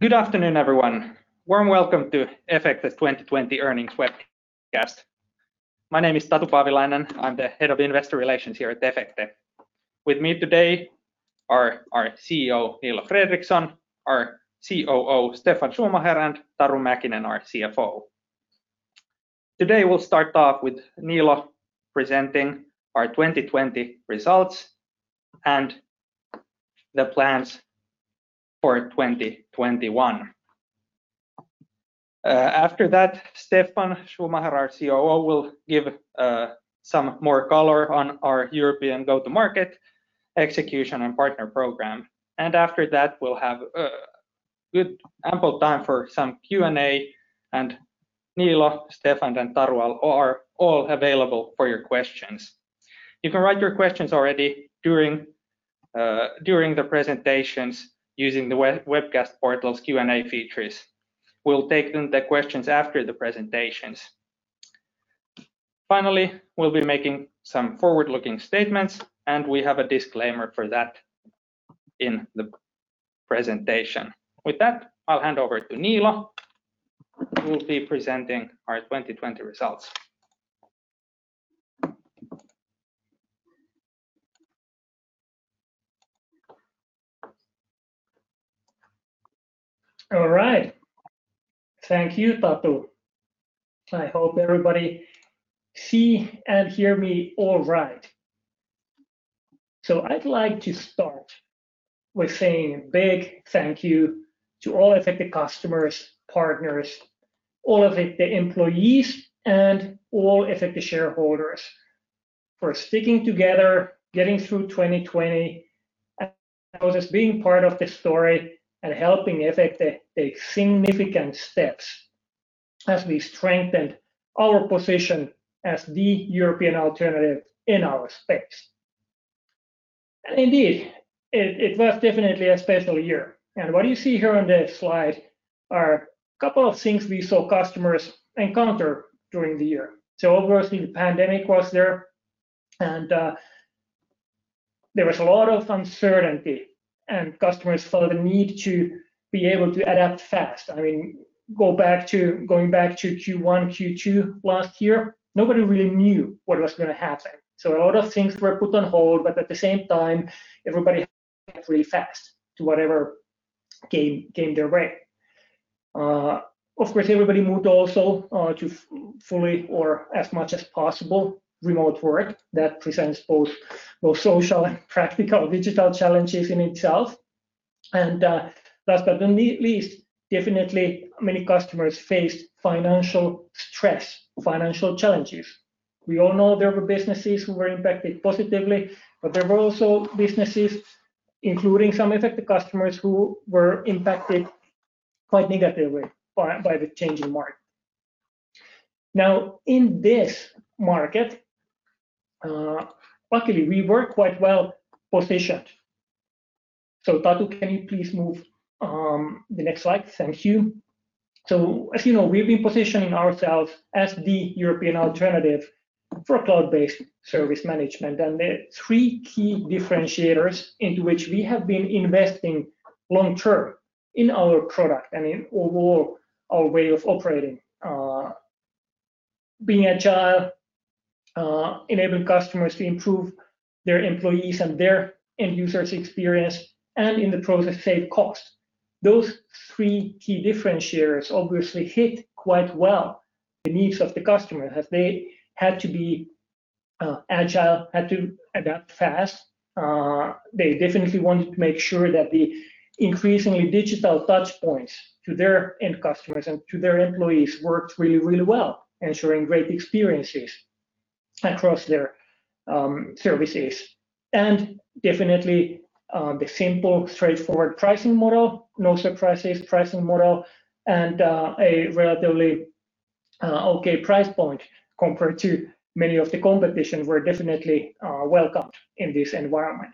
Good afternoon, everyone. Warm welcome to Efecte's 2020 earnings webcast. My name is Tatu Paavilainen. I'm the head of investor relations here at Efecte. With me today are our CEO, Niilo Fredrikson, our COO, Steffan Schumacher, and Taru Mäkinen, our CFO. Today, we'll start off with Niilo presenting our 2020 results and the plans for 2021. After that, Steffan Schumacher, our COO, will give some more color on our European go-to-market execution and partner program. After that, we'll have good ample time for some Q&A, and Niilo, Steffan, and Taru are all available for your questions. You can write your questions already during the presentations using the webcast portal's Q&A features. We'll take the questions after the presentations. Finally, we'll be making some forward-looking statements, and we have a disclaimer for that in the presentation. With that, I'll hand over to Niilo, who will be presenting our 2020 results. All right. Thank you, Tatu. I hope everybody see and hear me all right. I'd like to start with saying a big thank you to all Efecte customers, partners, all of the employees, and all Efecte shareholders for sticking together, getting through 2020, and for just being part of the story and helping Efecte take significant steps as we strengthened our position as the European alternative in our space. Indeed, it was definitely a special year. What you see here on the slide are a couple of things we saw customers encounter during the year. Obviously, the pandemic was there, and there was a lot of uncertainty, and customers felt the need to be able to adapt fast. Going back to Q1, Q2 last year, nobody really knew what was going to happen. A lot of things were put on hold, but at the same time, everybody had to act really fast to whatever came their way. Of course, everybody moved also to fully, or as much as possible, remote work. That presents both social and practical digital challenges in itself. Last but not least, definitely many customers faced financial stress, financial challenges. We all know there were businesses who were impacted positively, but there were also businesses, including some Efecte customers, who were impacted quite negatively by the changing market. In this market, luckily, we were quite well-positioned. Tatu, can you please move the next slide? Thank you. As you know, we've been positioning ourselves as the European alternative for cloud-based service management, and there are three key differentiators into which we have been investing long-term in our product and in overall our way of operating. Being agile, enabling customers to improve their employees' and their end users' experience, and in the process, save cost. Those three key differentiators obviously hit quite well the needs of the customer, as they had to be agile, had to adapt fast. They definitely wanted to make sure that the increasingly digital touchpoints to their end customers and to their employees worked really well, ensuring great experiences across their services. Definitely, the simple, straightforward pricing model, no surprises pricing model, and a relatively okay price point compared to many of the competition were definitely welcomed in this environment.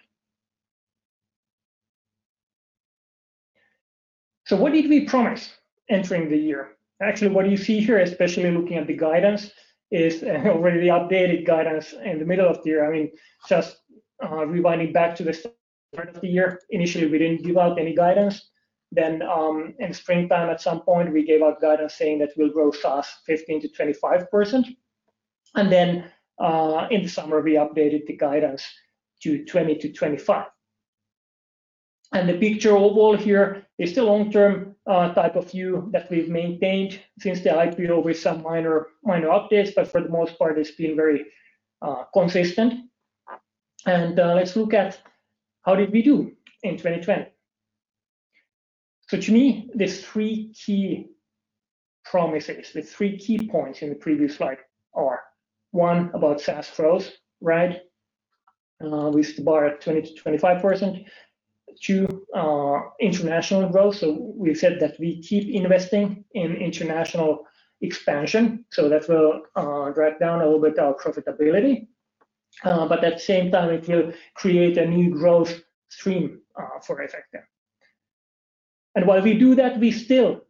What did we promise entering the year? Actually, what you see here, especially looking at the guidance, is already the updated guidance in the middle of the year. Just rewinding back to the start of the year, initially, we didn't give out any guidance. In springtime, at some point, we gave out guidance saying that we'll grow SaaS 15%-25%. In the summer, we updated the guidance to 20%-25%. The picture overall here is the long-term type of view that we've maintained since the IPO with some minor updates, but for the most part, it's been very consistent. Let's look at how did we do in 2020. To me, there's three key promises. The three key points in the previous slide are, one, about SaaS growth. We still bar at 20%-25%. Two, international growth. We've said that we keep investing in international expansion, so that will drag down a little bit our profitability, but at the same time, it will create a new growth stream for Efecte. While we do that, we still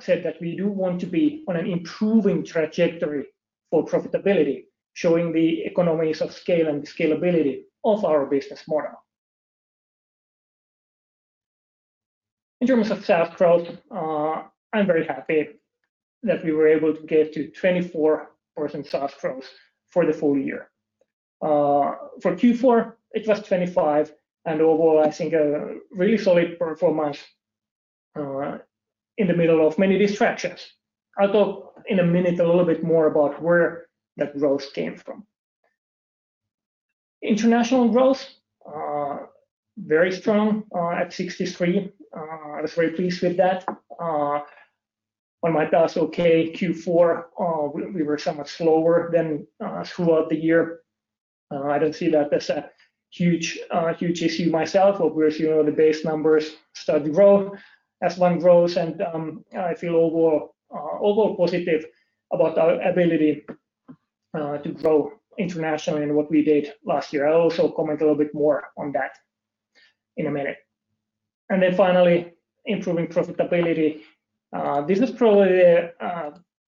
said that we do want to be on an improving trajectory for profitability, showing the economies of scale and scalability of our business model. In terms of SaaS growth, I'm very happy that we were able to get to 24% SaaS growth for the full year. For Q4, it was 25%, and overall, I think a really solid performance in the middle of many distractions. I'll talk in a minute a little bit more about where that growth came from. International growth, very strong at 63%. I was very pleased with that. On my thoughts, okay, Q4, we were somewhat slower than throughout the year. I don't see that as a huge issue myself. Obviously, the base numbers start to grow as one grows, and I feel overall positive about our ability to grow internationally and what we did last year. I'll also comment a little bit more on that in a minute. Finally, improving profitability. This is probably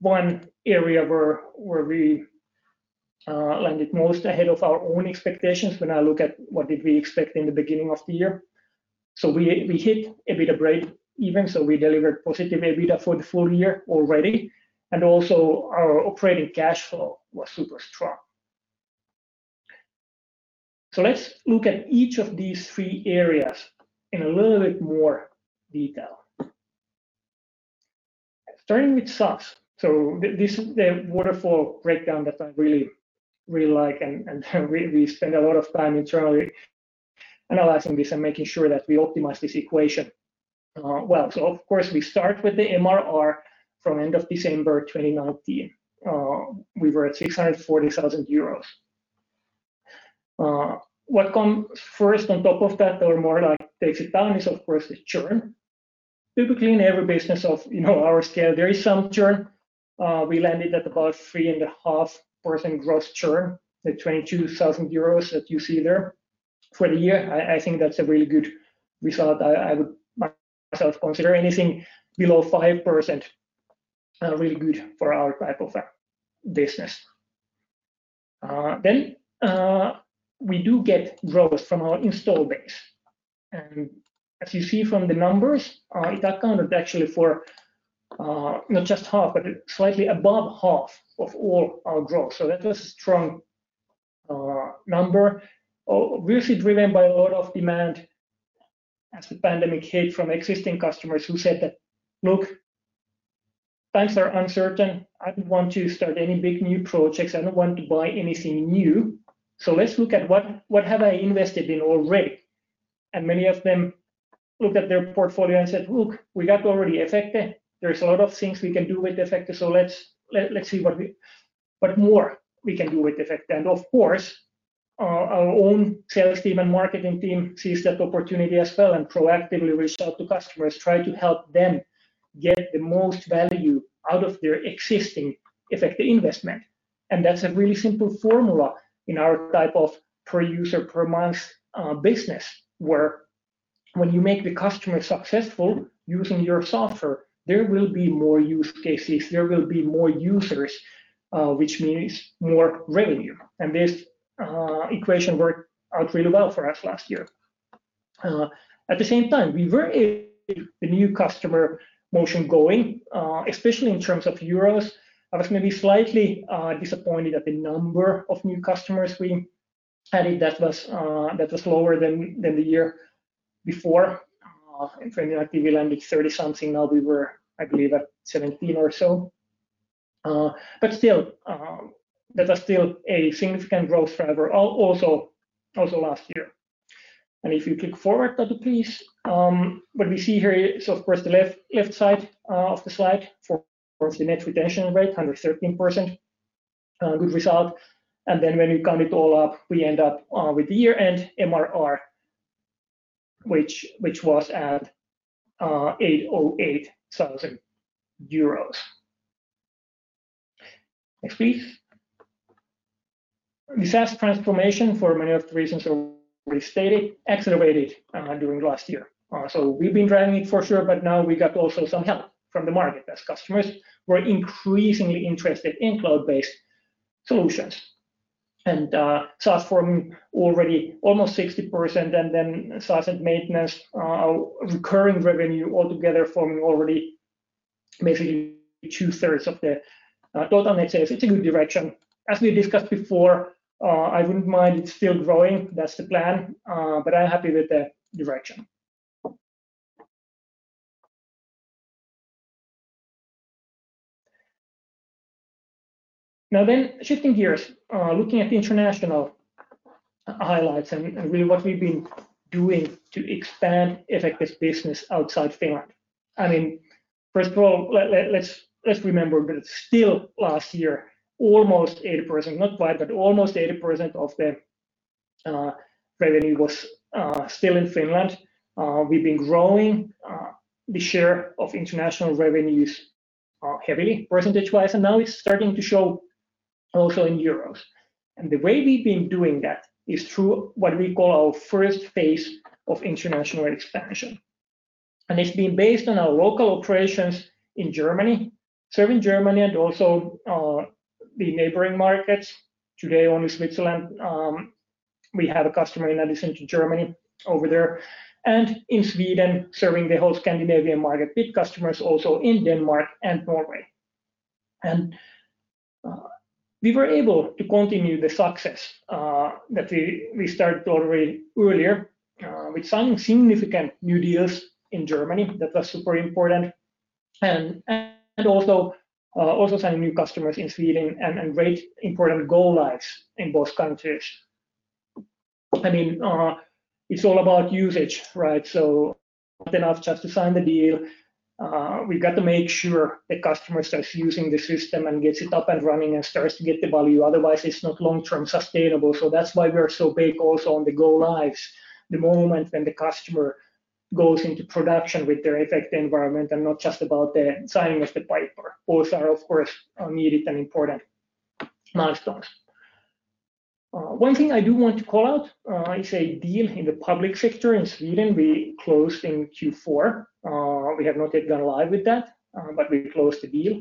one area where we landed most ahead of our own expectations when I look at what did we expect in the beginning of the year. We hit EBITDA breakeven, so we delivered positive EBITDA for the full year already. Also our operating cash flow was super strong. Let's look at each of these three areas in a little bit more detail. Starting with SaaS. This is the waterfall breakdown that I really, really like and we spend a lot of time internally analyzing this and making sure that we optimize this equation well. Of course, we start with the MRR from end of December 2019. We were at 640,000 euros. What comes first on top of that or more like takes it down is, of course, the churn. Typically, in every business of our scale, there is some churn. We landed at about 3.5% gross churn, the 22,000 euros that you see there for the year. I think that's a really good result. I would myself consider anything below 5% really good for our type of business. We do get growth from our install base. As you see from the numbers, it accounted actually for not just half, but slightly above half of all our growth. That was a strong number, obviously driven by a lot of demand as the pandemic hit from existing customers who said that, "Look, times are uncertain. I don't want to start any big new projects. I don't want to buy anything new. So let's look at what have I invested in already." Many of them looked at their portfolio and said, "Look, we got already Efecte. There's a lot of things we can do with Efecte, so let's see what more we can do with Efecte." Of course, our own sales team and marketing team sees that opportunity as well and proactively reached out to customers, try to help them get the most value out of their existing Efecte investment. That's a really simple formula in our type of per-user, per-month business, where when you make the customer successful using your software, there will be more use cases, there will be more users, which means more revenue. This equation worked out really well for us last year. At the same time, we were a new customer motion going, especially in terms of euros. I was maybe slightly disappointed at the number of new customers we added that was lower than the year before. In 2019, we landed 30-something. Now we were, I believe, at 17 or so. Still, that was still a significant growth driver also last year. If you click forward, Tatu, please. What we see here, of course, the left side of the slide, of course, the net retention rate, 113%. Good result. When you count it all up, we end up with the year-end MRR, which was at EUR 808,000. Next, please. The SaaS transformation, for many of the reasons already stated, accelerated during last year. We've been driving it for sure, but now we got also some help from the market as customers were increasingly interested in cloud-based solutions. SaaS forming already almost 60%, and then SaaS and maintenance, recurring revenue altogether forming already basically 2/3 of the total net sales. It's a good direction. As we discussed before, I wouldn't mind it still growing. That's the plan. I'm happy with the direction. Shifting gears. Looking at the international highlights and really what we've been doing to expand Efecte's business outside Finland. Let's remember that it's still last year, almost 80% of the revenue was still in Finland. We've been growing the share of international revenues heavily percentage-wise, now it's starting to show also in euros. The way we've been doing that is through what we call our first phase of international expansion. It's been based on our local operations in Germany, serving Germany and also the neighboring markets. Today, only Switzerland, we have a customer in addition to Germany over there. In Sweden, serving the whole Scandinavian market, big customers also in Denmark and Norway. We were able to continue the success that we started already earlier, with signing significant new deals in Germany that are super important, and also signing new customers in Sweden and great important go-lives in both countries. It's all about usage, right? Not enough just to sign the deal. We've got to make sure the customer starts using the system and gets it up and running and starts to get the value. Otherwise, it's not long-term sustainable. That's why we are so big also on the go-lives, the moment when the customer goes into production with their Efecte environment and not just about the signing of the paper. Both are, of course, needed and important milestones. One thing I do want to call out is a deal in the public sector in Sweden we closed in Q4. We have not yet gone live with that, but we closed the deal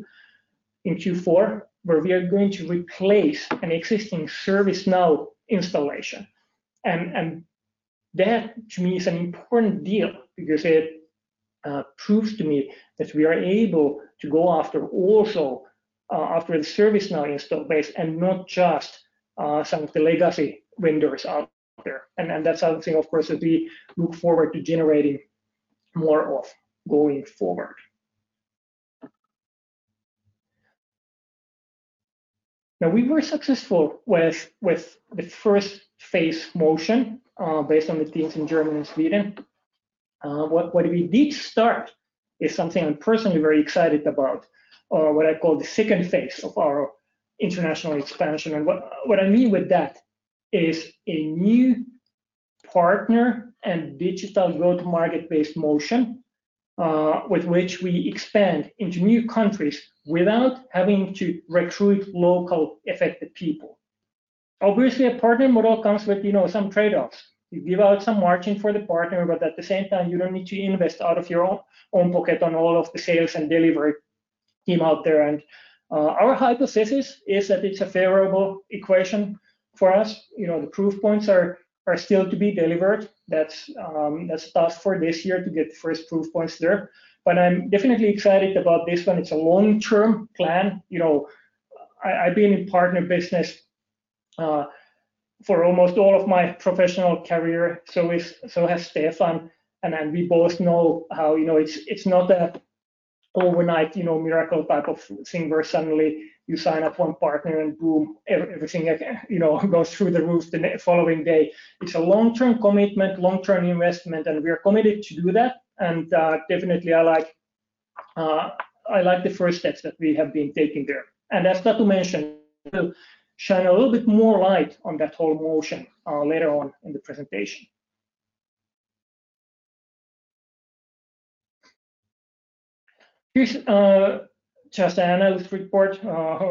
in Q4, where we are going to replace an existing ServiceNow installation. That, to me, is an important deal because it proves to me that we are able to go after also after the ServiceNow install base and not just some of the legacy vendors out there. That's something, of course, that we look forward to generating more of going forward. We were successful with the first phase motion based on the deals in Germany and Sweden. What we did start is something I'm personally very excited about, or what I call the second phase of our international expansion. What I mean with that is a new partner and digital go-to-market based motion, with which we expand into new countries without having to recruit local Efecte people. Obviously, a partner model comes with some trade-offs. You give out some margin for the partner, at the same time, you don't need to invest out of your own pocket on all of the sales and delivery team out there. Our hypothesis is that it's a favorable equation for us. The proof points are still to be delivered. That's a task for this year to get the first proof points there. I'm definitely excited about this one. It's a long-term plan. I've been in partner business for almost all of my professional career, so has Steffan, we both know how it's not a overnight miracle type of thing where suddenly you sign up one partner and boom, everything goes through the roof the following day. It's a long-term commitment, long-term investment, we are committed to do that. Definitely I like the first steps that we have been taking there. That's not to mention, to shine a little bit more light on that whole motion later on in the presentation. Here's just an analyst report,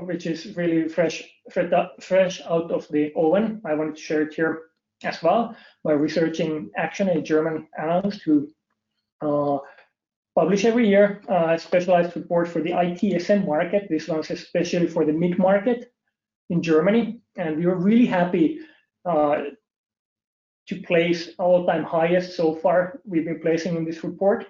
which is really fresh out of the oven. I wanted to share it here as well. By Research In Action, a German analyst who publish every year a specialized report for the ITSM market. This one's especially for the mid-market in Germany. We were really happy to place all-time highest so far we've been placing in this report,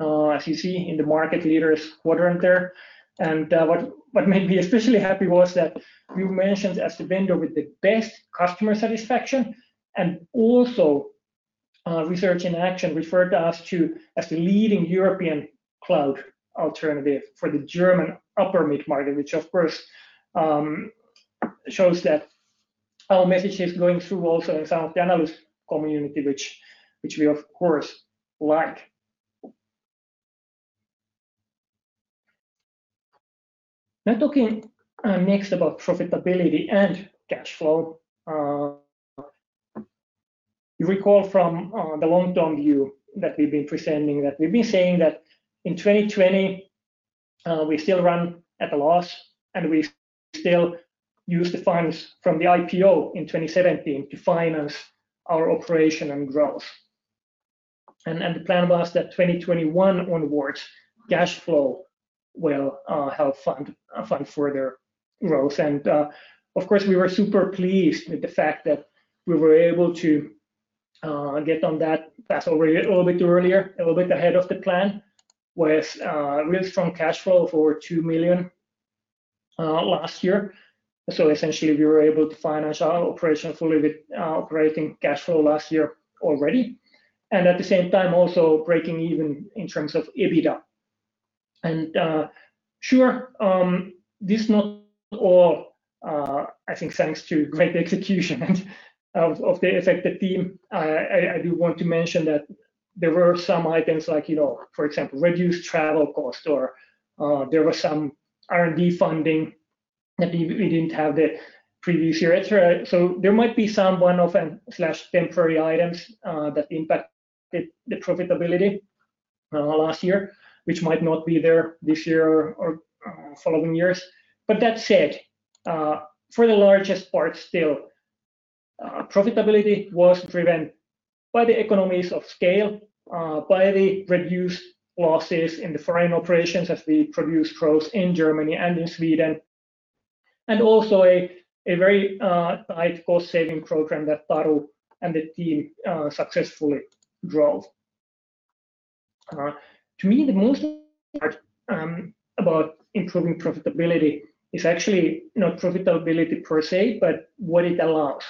as you see in the market leaders quadrant there. What made me especially happy was that we were mentioned as the vendor with the best customer satisfaction, and also Research in Action referred us to as the leading European cloud alternative for the German upper mid-market, which of course shows that our message is going through also in some of the analyst community, which we of course like. Talking next about profitability and cash flow. You recall from the long-term view that we've been presenting that we've been saying that in 2020, we still run at a loss, and we still use the funds from the IPO in 2017 to finance our operation and growth. The plan was that 2021 onwards, cash flow will help fund further growth. Of course, we were super pleased with the fact that we were able to get on that path a little bit earlier, a little bit ahead of the plan with really strong cash flow for 2 million last year. Essentially, we were able to finance our operation fully with operating cash flow last year already, and at the same time, also breaking even in terms of EBITDA. Sure, this not all, I think thanks to great execution of the Efecte team. I do want to mention that there were some items like, for example, reduced travel cost, or there was some R&D funding that we didn't have the previous year. There might be some one-off/temporary items that impact the profitability last year, which might not be there this year or following years. That said, for the largest part still, profitability was driven by the economies of scale, by the reduced losses in the foreign operations as the presence grows in Germany and in Sweden, and also a very tight cost-saving program that Taru and the team successfully drove. To me, the most part about improving profitability is actually not profitability per se, but what it allows.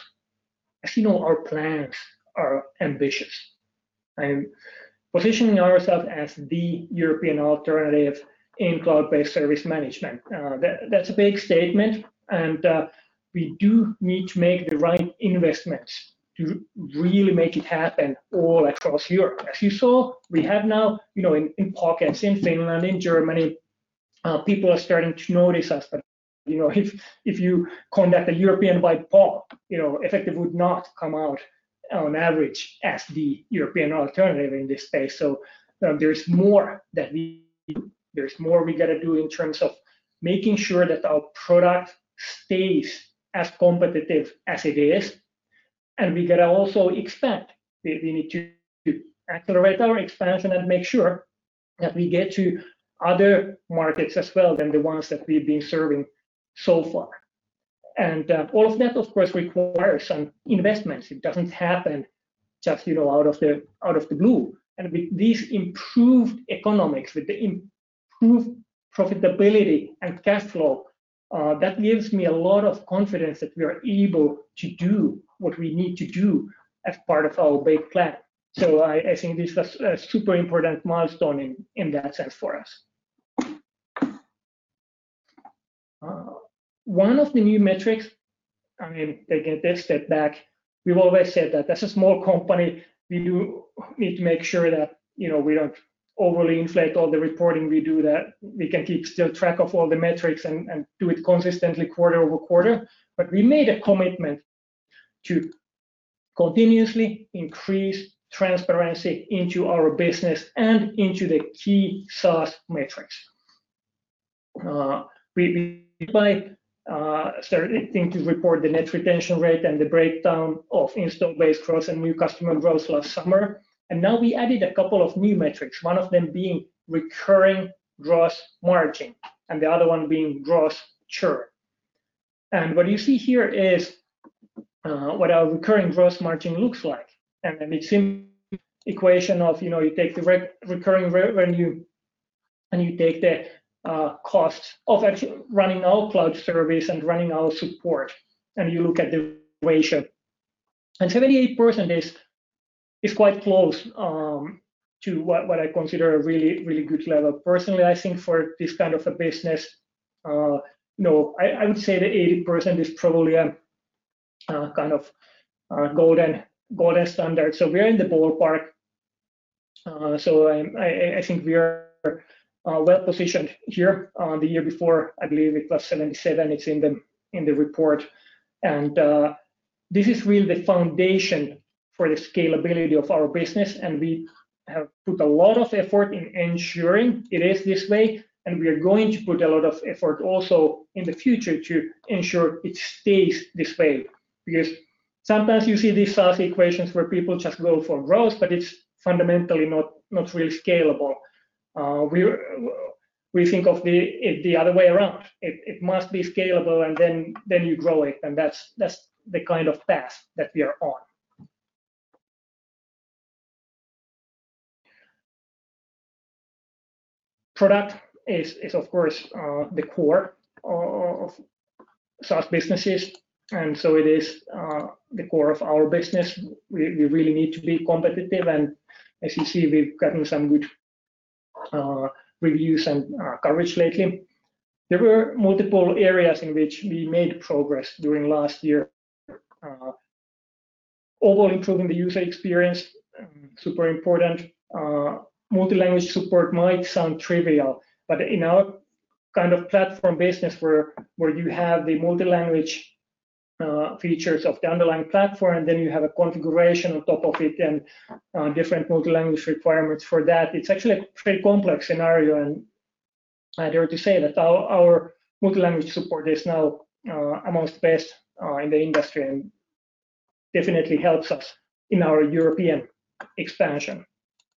As you know, our plans are ambitious, positioning ourself as the European alternative in cloud-based service management. That's a big statement, we do need to make the right investments to really make it happen all across Europe. As you saw, we have now in pockets in Finland, in Germany, people are starting to notice us. If you conduct a European-wide poll, Efecte would not come out on average as the European alternative in this space. There's more we got to do in terms of making sure that our product stays as competitive as it is, and we got to also expand. We need to accelerate our expansion and make sure that we get to other markets as well than the ones that we've been serving so far. All of that, of course, requires some investments. It doesn't happen just out of the blue. With these improved economics, with the improved profitability and cash flow, that gives me a lot of confidence that we are able to do what we need to do as part of our big plan. I think this was a super important milestone in that sense for us. One of the new metrics, taking a step back, we've always said that as a small company, we do need to make sure that we don't overly inflate all the reporting we do, that we can keep still track of all the metrics and do it consistently quarter-over-quarter. We made a commitment to continuously increase transparency into our business and into the key SaaS metrics. We started to report the net retention rate and the breakdown of install-based growth and new customer growth last summer. Now we added a couple of new metrics, one of them being recurring gross margin and the other one being gross churn. What you see here is what our recurring gross margin looks like. It's a simple equation of, you take the recurring revenue, and you take the cost of actually running all cloud service and running all support, and you look at the ratio. 78% is quite close to what I consider a really good level. Personally, I think for this kind of a business, no, I would say that 80% is probably a kind of golden standard. We are in the ballpark. I think we are well-positioned here. The year before, I believe it was 77%, it's in the report. This is really the foundation for the scalability of our business, and we have put a lot of effort in ensuring it is this way, and we are going to put a lot of effort also in the future to ensure it stays this way. Because sometimes you see these SaaS equations where people just go for growth, but it's fundamentally not really scalable. We think of it the other way around. It must be scalable, and then you grow it, and that's the kind of path that we are on. Product is, of course, the core of SaaS businesses, and so it is the core of our business. We really need to be competitive, and as you see, we've gotten some good reviews and coverage lately. There were multiple areas in which we made progress during last year. Overall, improving the user experience, super important. Multi-language support might sound trivial, but in our kind of platform business where you have the multi-language features of the underlying platform, then you have a configuration on top of it and different multi-language requirements for that. It's actually a pretty complex scenario. I dare to say that our multi-language support is now amongst best in the industry and definitely helps us in our European expansion.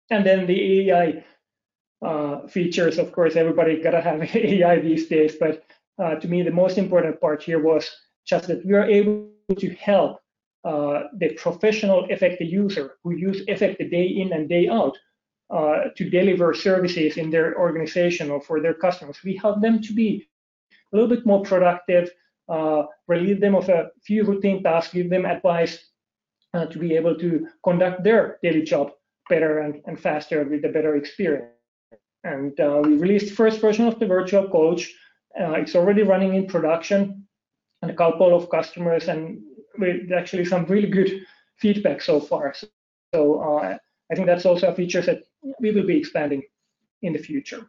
The AI features, of course, everybody got to have AI these days. To me, the most important part here was just that we are able to help the professional Efecte user who use Efecte day in and day out to deliver services in their organization or for their customers. We help them to be a little bit more productive, relieve them of a few routine tasks, give them advice to be able to conduct their daily job better and faster with a better experience. We released the first version of the virtual coach. It's already running in production in a couple of customers. We had actually some really good feedback so far. I think that's also a feature that we will be expanding in the future.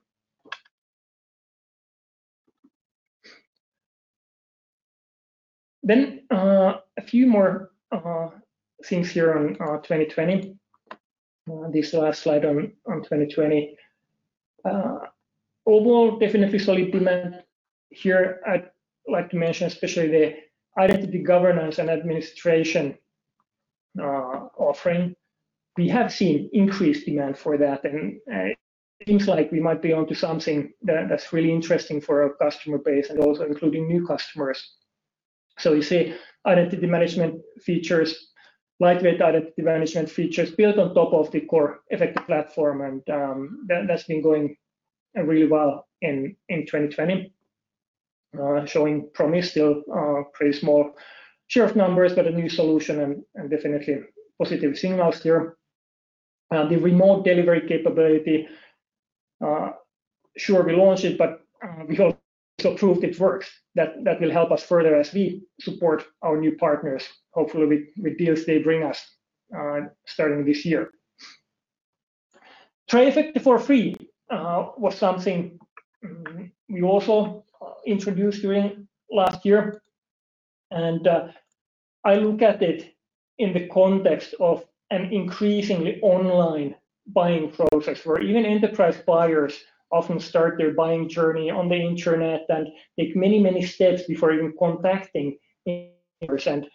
Then a few more things here on 2020. This last slide on 2020. Overall, definitely solid demand here. I'd like to mention especially the Identity Governance and Administration offering. We have seen increased demand for that, and it seems like we might be onto something that's really interesting for our customer base and also including new customers. You see Identity Management features, lightweight Identity Management features built on top of the core Efecte platform, and that's been going really well in 2020. Showing promise, still pretty small share of numbers, but a new solution and definitely positive signals here. The remote delivery capability, sure, we launched it, but we also proved it works. That will help us further as we support our new partners, hopefully with deals they bring us starting this year. Try Efecte for free was something we also introduced during last year. I look at it in the context of an increasingly online buying process, where even enterprise buyers often start their buying journey on the internet and take many, many steps before even contacting a person.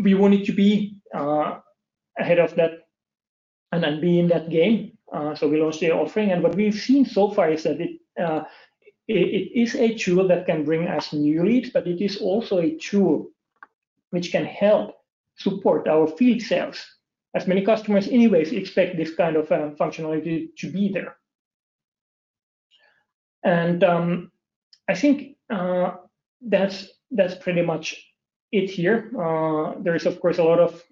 We wanted to be ahead of that and then be in that game, so we launched the offering. What we've seen so far is that it is a tool that can bring us new leads, but it is also a tool which can help support our field sales, as many customers anyways expect this kind of functionality to be there. I think that's pretty much it here. There is, of course, a lot of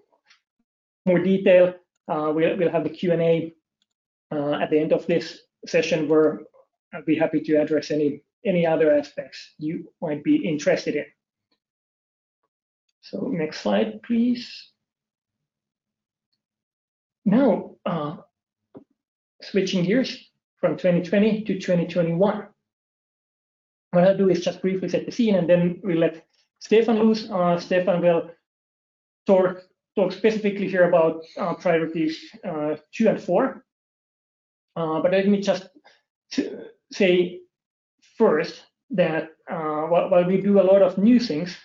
more detail. We'll have the Q&A at the end of this session where I'd be happy to address any other aspects you might be interested in. Next slide, please. Now, switching gears from 2020-2021. What I'll do is just briefly set the scene, and then we let Steffan loose. Steffan will talk specifically here about priorities two and four. Let me just say first that while we do a lot of new things,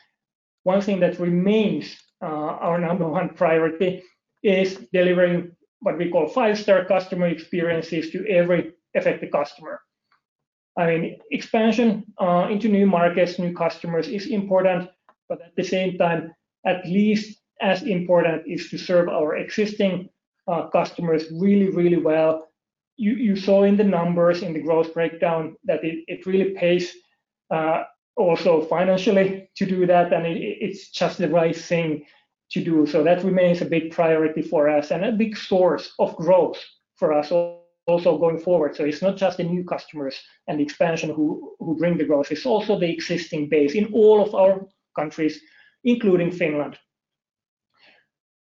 one thing that remains our number one priority is delivering what we call five-star customer experiences to every Efecte customer. Expansion into new markets, new customers is important, but at the same time, at least as important is to serve our existing customers really, really well. You saw in the numbers, in the growth breakdown that it really pays also financially to do that, and it's just the right thing to do. That remains a big priority for us and a big source of growth for us also going forward. It's not just the new customers and expansion who bring the growth. It's also the existing base in all of our countries, including Finland.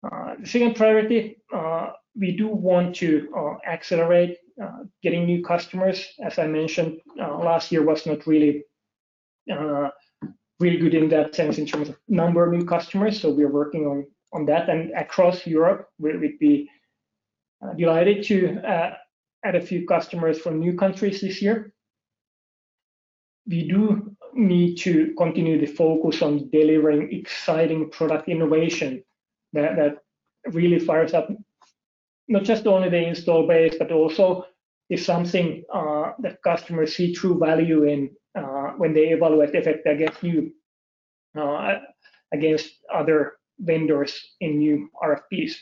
The second priority, we do want to accelerate getting new customers. As I mentioned, last year was not really good in that sense in terms of number of new customers, so we're working on that. Across Europe, we'd be delighted to add a few customers from new countries this year. We do need to continue the focus on delivering exciting product innovation that really fires up not just only the install base, but also is something that customers see true value in when they evaluate Efecte against other vendors in new RFPs.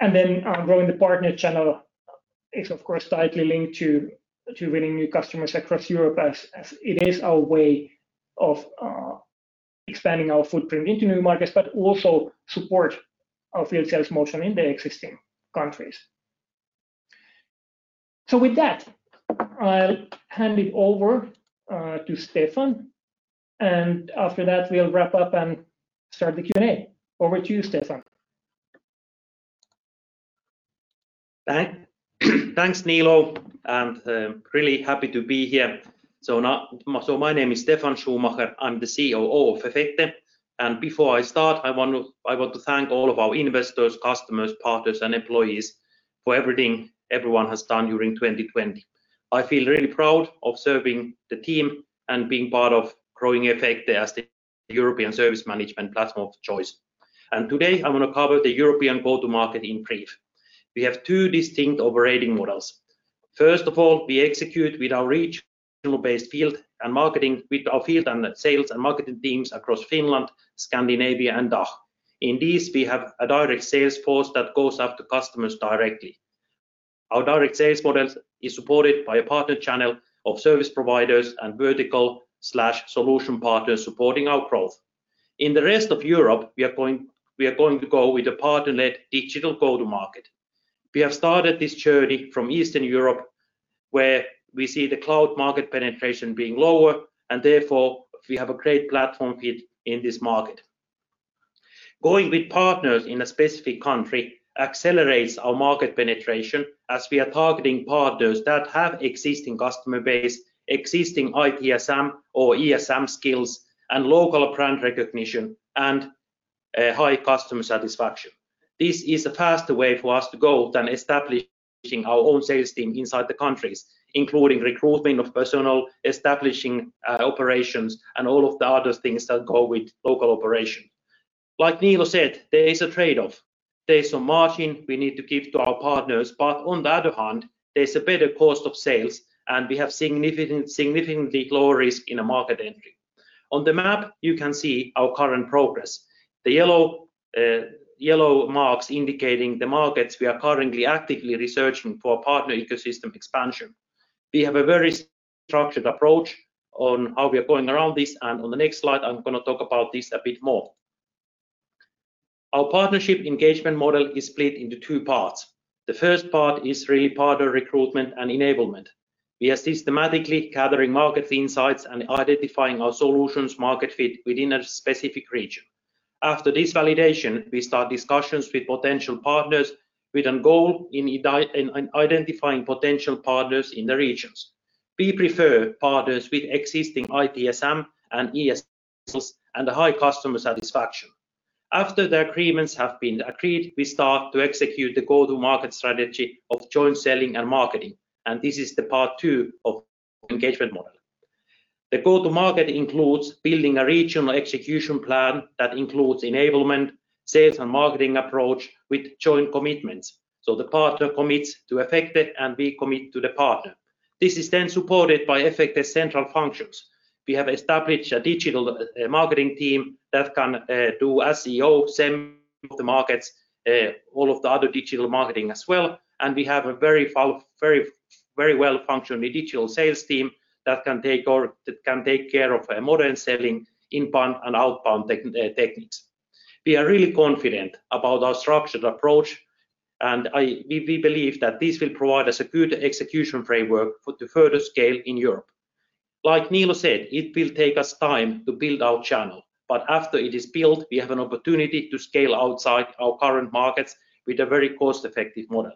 Then growing the partner channel is, of course, tightly linked to winning new customers across Europe as it is our way of expanding our footprint into new markets, but also support our field sales motion in the existing countries. With that, I'll hand it over to Steffan, and after that, we'll wrap up and start the Q&A. Over to you, Steffan. Thanks, Niilo, and really happy to be here. My name is Steffan Schumacher. I'm the COO of Efecte. Before I start, I want to thank all of our investors, customers, partners, and employees for everything everyone has done during 2020. I feel really proud of serving the team and being part of growing Efecte as the European service management platform of choice. Today, I want to cover the European go-to-market in brief. We have two distinct operating models. First of all, we execute with our regional-based field and marketing with our field and sales and marketing teams across Finland, Scandinavia, and DACH. In these, we have a direct sales force that goes after customers directly. Our direct sales model is supported by a partner channel of service providers and vertical/solution partners supporting our growth. In the rest of Europe, we are going to go with a partner-led digital go-to-market. We have started this journey from Eastern Europe, where we see the cloud market penetration being lower, and therefore we have a great platform fit in this market. Going with partners in a specific country accelerates our market penetration as we are targeting partners that have existing customer base, existing ITSM or ESM skills, and local brand recognition and high customer satisfaction. This is a faster way for us to go than establishing our own sales team inside the countries, including recruitment of personnel, establishing operations, and all of the other things that go with local operations. Like Niilo said, there is a trade-off. There is some margin we need to give to our partners. On the other hand, there's a better cost of sales, and we have significantly lower risk in a market entry. On the map, you can see our current progress. The yellow marks indicating the markets we are currently actively researching for partner ecosystem expansion. We have a very structured approach on how we are going around this, and on the next slide, I'm going to talk about this a bit more. Our partnership engagement model is split into two parts. The first part is really partner recruitment and enablement. We are systematically gathering market insights and identifying our solutions market fit within a specific region. After this validation, we start discussions with potential partners with a goal in identifying potential partners in the regions. We prefer partners with existing ITSM and ESM skills and a high customer satisfaction. After the agreements have been agreed, we start to execute the go-to-market strategy of joint selling and marketing, and this is the part two of engagement model. The go-to-market includes building a regional execution plan that includes enablement, sales and marketing approach with joint commitments. The partner commits to Efecte, and we commit to the partner. This is supported by Efecte central functions. We have established a digital marketing team that can do SEO, SEM, the markets, all of the other digital marketing as well, and we have a very well-functioning digital sales team that can take care of modern selling inbound and outbound techniques. We are really confident about our structured approach, and we believe that this will provide us a good execution framework for the further scale in Europe. Like Niilo said, it will take us time to build our channel, but after it is built, we have an opportunity to scale outside our current markets with a very cost-effective model.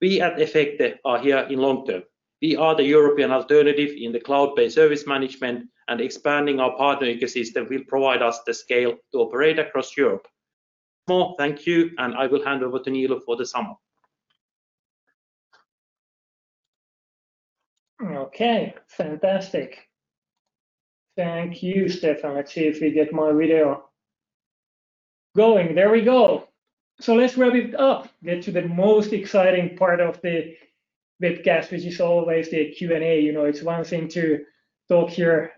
We at Efecte are here in long term. We are the European alternative in the cloud-based service management, and expanding our partner ecosystem will provide us the scale to operate across Europe. Thank you, and I will hand over to Niilo for the summary. Okay, fantastic. Thank you, Steffan. Let's see if we get my video going. There we go. Let's wrap it up, get to the most exciting part of the webcast, which is always the Q&A. It's one thing to talk here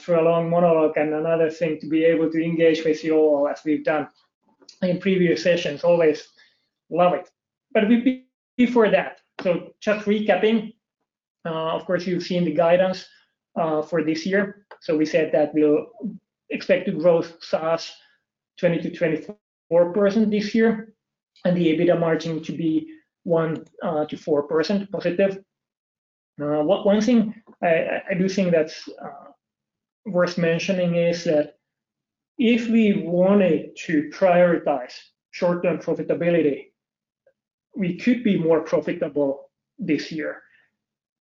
through a long monologue, and another thing to be able to engage with you all as we've done in previous sessions. Always love it. Before that, just recapping, of course, you've seen the guidance for this year. We said that we'll expect to grow SaaS 20%-24% this year, and the EBITDA margin to be 1%-4% positive. One thing I do think that's worth mentioning is that if we wanted to prioritize short-term profitability, we could be more profitable this year.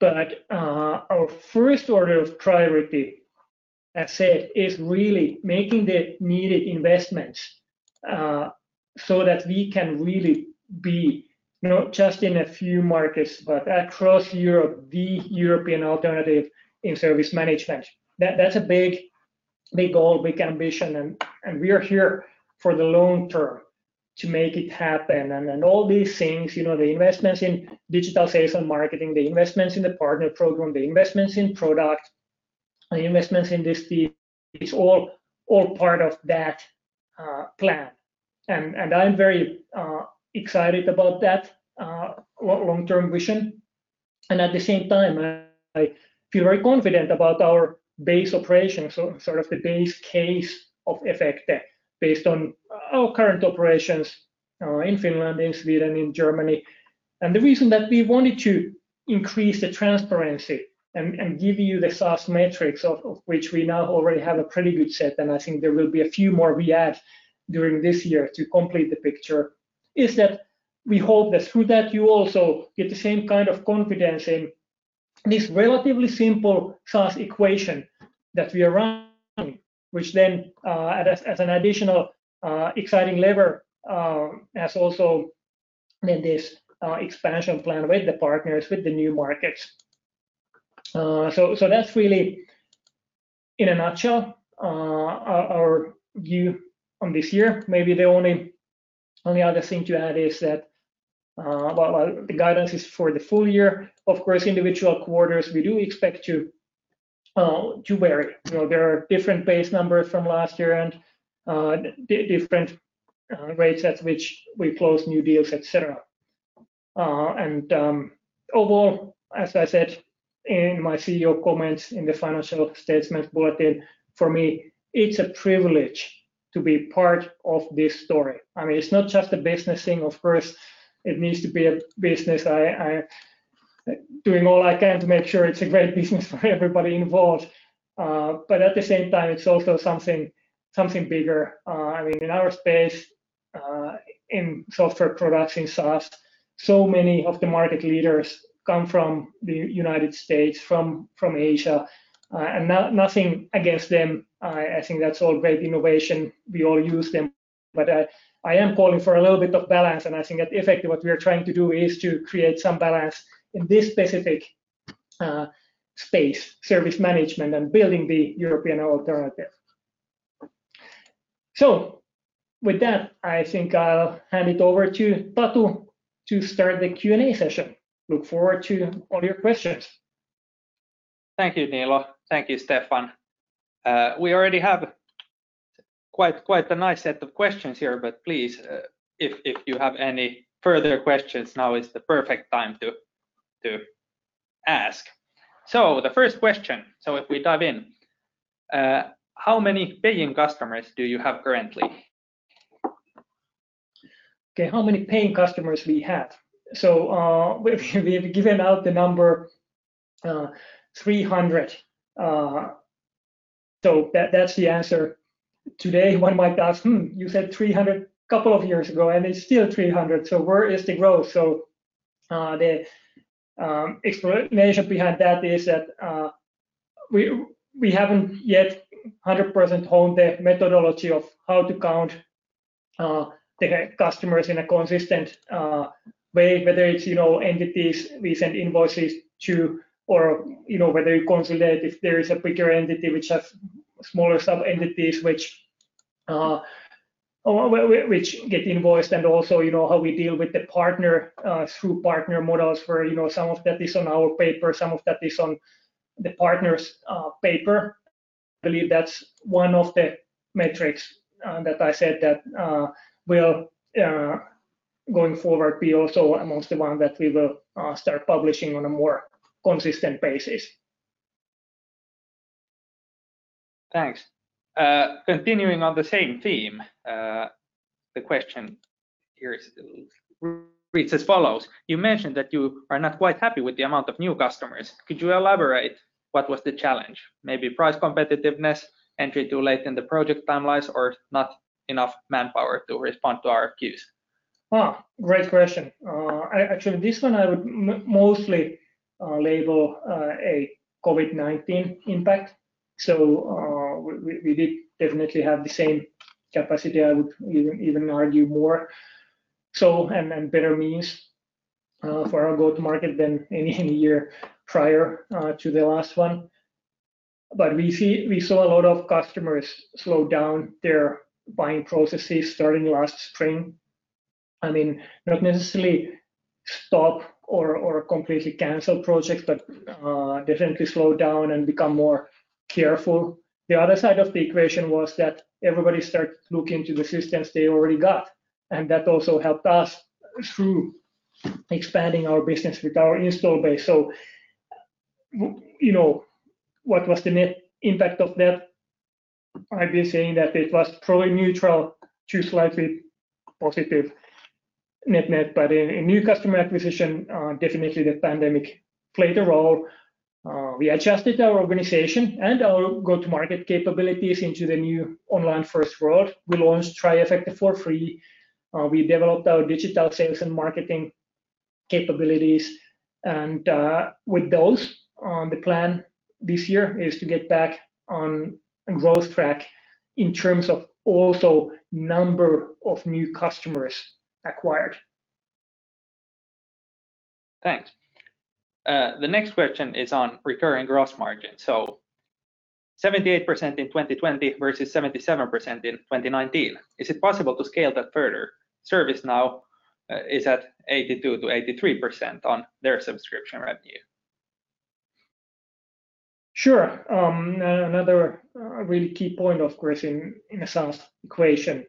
Our first order of priority, as said, is really making the needed investments so that we can really be, not just in a few markets, but across Europe, the European alternative in service management. That's a big goal, big ambition, we are here for the long term to make it happen. All these things, the investments in digital sales and marketing, the investments in the partner program, the investments in product, the investments in this team is all part of that plan, and I'm very excited about that long-term vision. At the same time, I feel very confident about our base operations or sort of the base case of Efecte based on our current operations in Finland, in Sweden, in Germany. The reason that we wanted to increase the transparency and give you the SaaS metrics of which we now already have a pretty good set, and I think there will be a few more we add during this year to complete the picture, is that we hope that through that you also get the same kind of confidence in this relatively simple SaaS equation that we are running, which then, as an additional exciting lever, has also then this expansion plan with the partners, with the new markets. That's really in a nutshell our view on this year. Maybe the only other thing to add is that while the guidance is for the full year, of course, individual quarters, we do expect to vary. There are different base numbers from last year and different rates at which we close new deals, et cetera. Overall, as I said in my CEO comments in the financial statement bulletin, for me, it's a privilege to be part of this story. It's not just a business thing. Of course, it needs to be a business. Doing all I can to make sure it's a great business for everybody involved. At the same time, it's also something bigger. In our space, in software products, in SaaS, so many of the market leaders come from the United States, from Asia. Nothing against them, I think that's all great innovation. We all use them. I am calling for a little bit of balance, and I think at Efecte, what we are trying to do is to create some balance in this specific space, service management and building the European alternative. With that, I think I'll hand it over to Tatu to start the Q&A session. Look forward to all your questions. Thank you, Niilo. Thank you, Steffan. We already have quite a nice set of questions here, but please, if you have any further questions, now is the perfect time to ask. The first question. If we dive in, how many paying customers do you have currently? How many paying customers we have? We have given out the number 300. That's the answer today. One might ask, "You said 300 couple of years ago, and it's still 300." Where is the growth? The explanation behind that is that we haven't yet 100% honed the methodology of how to count the customers in a consistent way, whether it's entities we send invoices to or whether you consolidate, if there is a bigger entity which has smaller sub-entities which get invoiced, and also how we deal with the partner through partner models, where some of that is on our paper, some of that is on the partner's paper. I believe that's one of the metrics that I said that will, going forward, be also amongst the one that we will start publishing on a more consistent basis. Thanks. Continuing on the same theme, the question here reads as follows. You mentioned that you are not quite happy with the amount of new customers. Could you elaborate what was the challenge? Maybe price competitiveness, entry too late in the project timelines, or not enough manpower to respond to RFQs? Great question. Actually, this one I would mostly label a COVID-19 impact. We did definitely have the same capacity, I would even argue more so and better means for our go-to-market than any year prior to the last one. We saw a lot of customers slow down their buying processes starting last spring. Not necessarily stop or completely cancel projects, but definitely slow down and become more careful. The other side of the equation was that everybody started looking to the systems they already got, and that also helped us through expanding our business with our install base. What was the net impact of that? I'd be saying that it was probably neutral to slightly positive net. In new customer acquisition, definitely the pandemic played a role. We adjusted our organization and our go-to-market capabilities into the new online-first world. We launched Try Efecte for free. We developed our digital sales and marketing capabilities. With those, the plan this year is to get back on growth track in terms of also number of new customers acquired. Thanks. The next question is on recurring gross margin. 78% in 2020 versus 77% in 2019. Is it possible to scale that further? ServiceNow is at 82%-83% on their subscription revenue. Sure. Another really key point, of course, in a sales equation.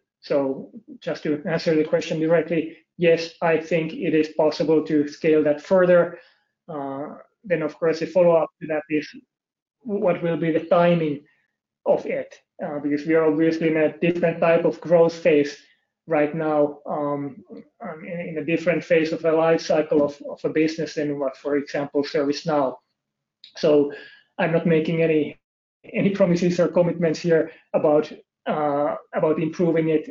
Just to answer the question directly, yes, I think it is possible to scale that further. Of course, the follow-up to that is what will be the timing of it? Because we are obviously in a different type of growth phase right now, in a different phase of the life cycle of a business than what, for example, ServiceNow. I'm not making any promises or commitments here about improving it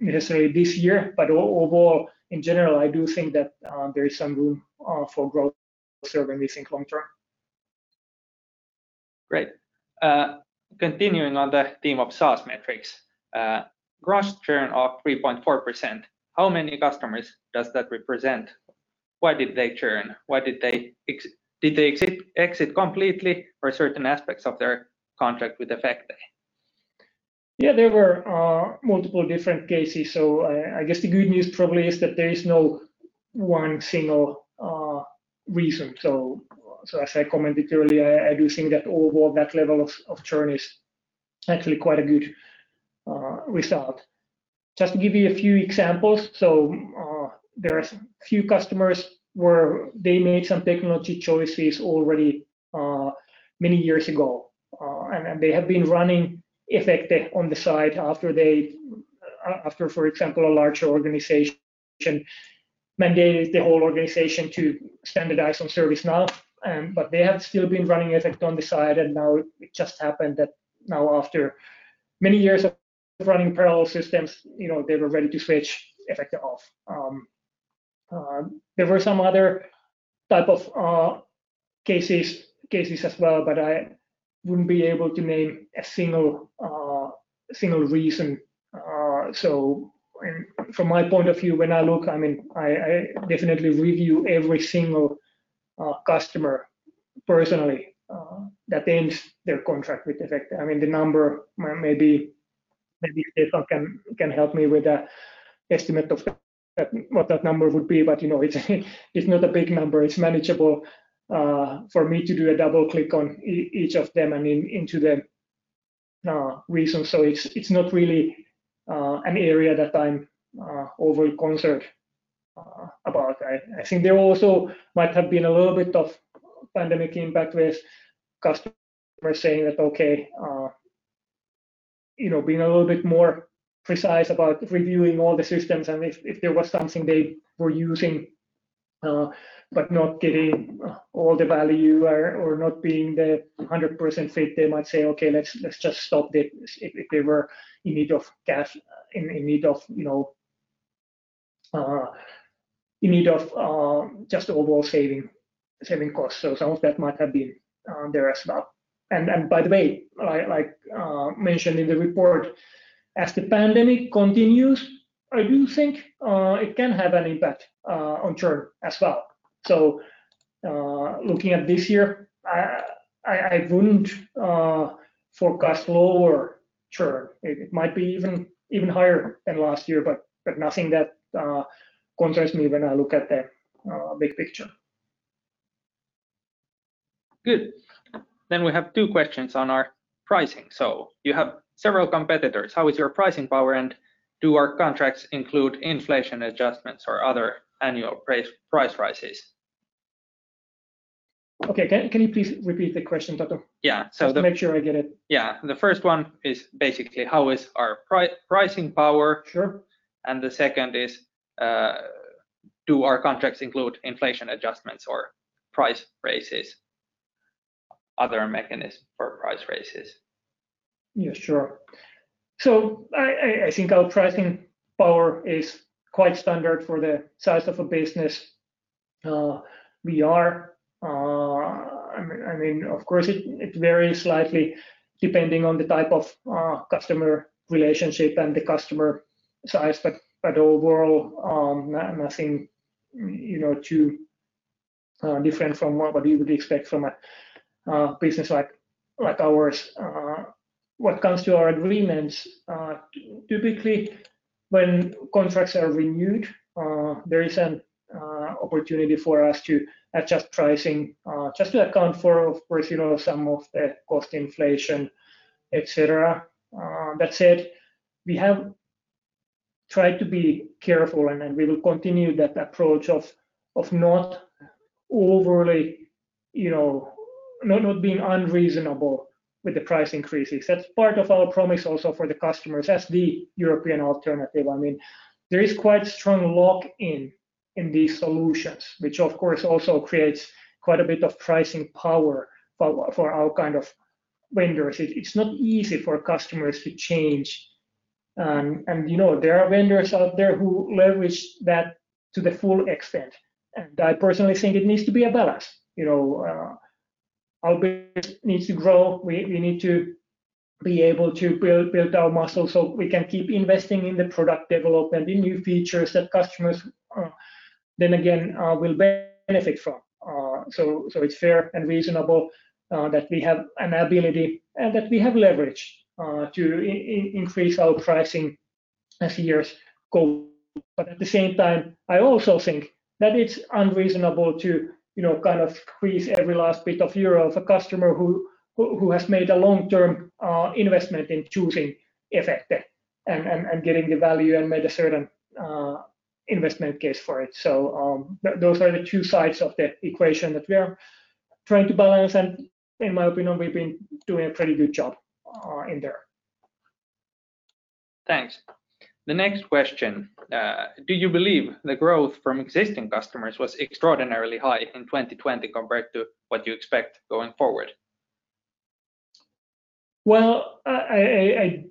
necessarily this year. Overall, in general, I do think that there is some room for growth certainly seeing long term. Great. Continuing on the theme of SaaS metrics, gross churn of 3.4%. How many customers does that represent? Why did they churn? Did they exit completely or certain aspects of their contract with Efecte? Yeah, I guess the good news probably is that there is no one single reason. As I commented earlier, I do think that overall that level of churn is actually quite a good result. Just to give you a few examples. There are a few customers where they made some technology choices already many years ago, and they have been running Efecte on the side after, for example, a large organization mandated the whole organization to standardize on ServiceNow, but they had still been running Efecte on the side, and now it just happened that now after many years of running parallel systems, they were ready to switch Efecte off. There were some other type of cases as well, I wouldn't be able to name a single reason. From my point of view, when I look, I definitely review every single customer personally that ends their contract with Efecte. The number, maybe Steffan can help me with an estimate of what that number would be. It's not a big number. It's manageable for me to do a double-click on each of them and into the reason. It's not really an area that I'm overly concerned about. I think there also might have been a little bit of pandemic impact with customers saying that, okay, being a little bit more precise about reviewing all the systems and if there was something they were using but not getting all the value or not being the 100% fit, they might say, "Okay, let's just stop this." If they were in need of just overall saving costs. Some of that might have been there as well. By the way, like mentioned in the report, as the pandemic continues, I do think it can have an impact on churn as well. Looking at this year, I wouldn't forecast lower churn. It might be even higher than last year, but nothing that concerns me when I look at the big picture. Good. We have two questions on our pricing. You have several competitors, how is your pricing power, and do our contracts include inflation adjustments or other annual price rises? Okay. Can you please repeat the question, Tatu? Yeah. Just to make sure I get it. The first one is basically how is our pricing power? Sure. The second is, do our contracts include inflation adjustments or price raises, other mechanisms for price raises? Yeah, sure. I think our pricing power is quite standard for the size of a business we are. Of course, it varies slightly depending on the type of customer relationship and the customer size, but overall, nothing too different from what you would expect from a business like ours. What comes to our agreements, typically when contracts are renewed, there is an opportunity for us to adjust pricing, just to account for, of course, some of the cost inflation, et cetera. That said, we have tried to be careful, and we will continue that approach of not being unreasonable with the price increases. That's part of our promise also for the customers as the European alternative. There is quite strong lock-in in these solutions, which of course also creates quite a bit of pricing power for our kind of vendors. It's not easy for customers to change. There are vendors out there who leverage that to the full extent. I personally think it needs to be a balance. Our business needs to grow. We need to be able to build our muscle so we can keep investing in the product development, in new features that customers then again, will benefit from. It's fair and reasonable that we have an ability and that we have leverage to increase our pricing as the years go. At the same time, I also think that it's unreasonable to increase every last bit of euro of a customer who has made a long-term investment in choosing Efecte and getting the value and made a certain investment case for it. Those are the two sides of the equation that we are trying to balance, and in my opinion, we've been doing a pretty good job in there. Thanks. The next question, do you believe the growth from existing customers was extraordinarily high in 2020 compared to what you expect going forward? I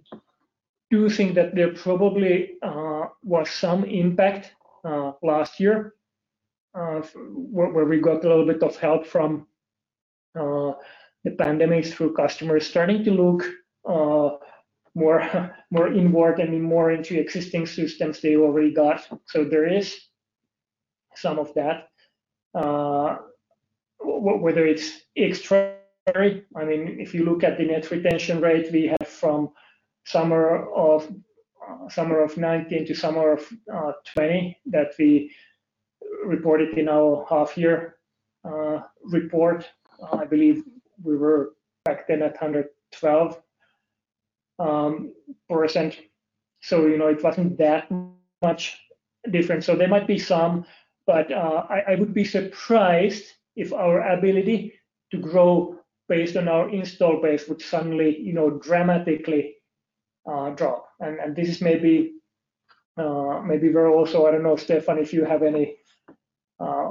do think that there probably was some impact last year, where we got a little bit of help from the pandemic through customers starting to look more inward and more into existing systems they already got. There is some of that. Whether it's extraordinary, if you look at the net retention rate we had from summer of 2019 to summer of 2020 that we reported in our half-year report, I believe we were back then at 112%. It wasn't that much different. There might be some, but I would be surprised if our ability to grow based on our install base would suddenly dramatically drop. This is maybe we're also, I don't know, Steffan, if you have any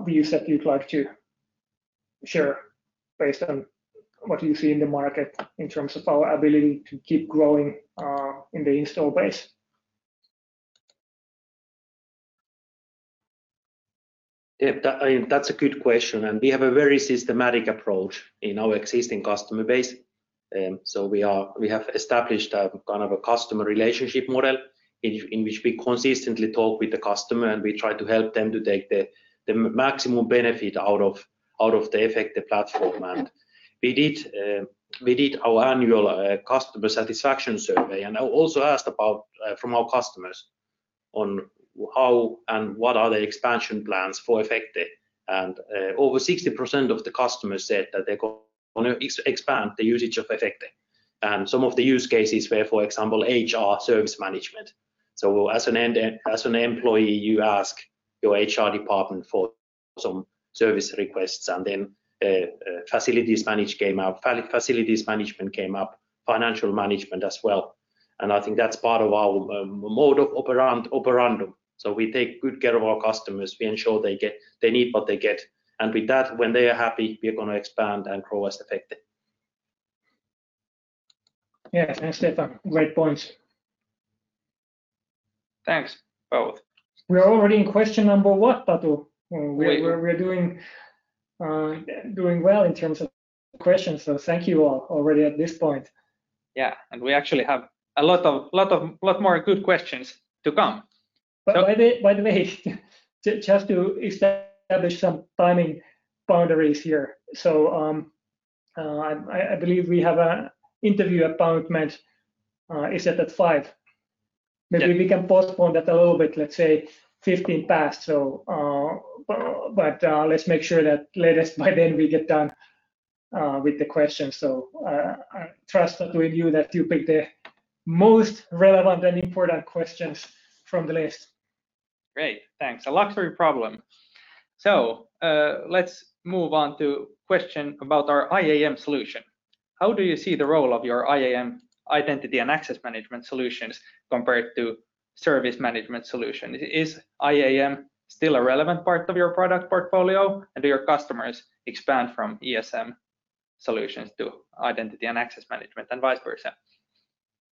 views that you'd like to share based on what you see in the market in terms of our ability to keep growing in the install base. Yeah. That's a good question. We have a very systematic approach in our existing customer base. We have established a customer relationship model in which we consistently talk with the customer, and we try to help them to take the maximum benefit out of the Efecte platform. We did our annual customer satisfaction survey, and I also asked from our customers on how and what are the expansion plans for Efecte. Over 60% of the customers said that they're going to expand the usage of Efecte. Some of the use cases were, for example, HR service management. As an employee, you ask your HR department for some service requests, and then facilities management came up, financial management as well. I think that's part of our modus operandi. We take good care of our customers. We ensure they need what they get. With that, when they are happy, we are going to expand and grow as Efecte. Yeah. Thanks, Steffan. Great points. Thanks both. We're already in question number one, Tatu. We're doing well in terms of questions, so thank you all already at this point. Yeah. We actually have a lot more good questions to come. By the way, just to establish some timing boundaries here. I believe we have an interview appointment is set at 5:00. Maybe we can postpone that a little bit, let's say 15 past. Let's make sure that latest by then we get done with the questions. I trust with you that you pick the most relevant and important questions from the list. Great, thanks. A luxury problem. Let's move on to question about our IAM solution. How do you see the role of your IAM identity and access management solutions compared to service management solution? Is IAM still a relevant part of your product portfolio? Do your customers expand from ESM solutions to identity and access management and vice versa?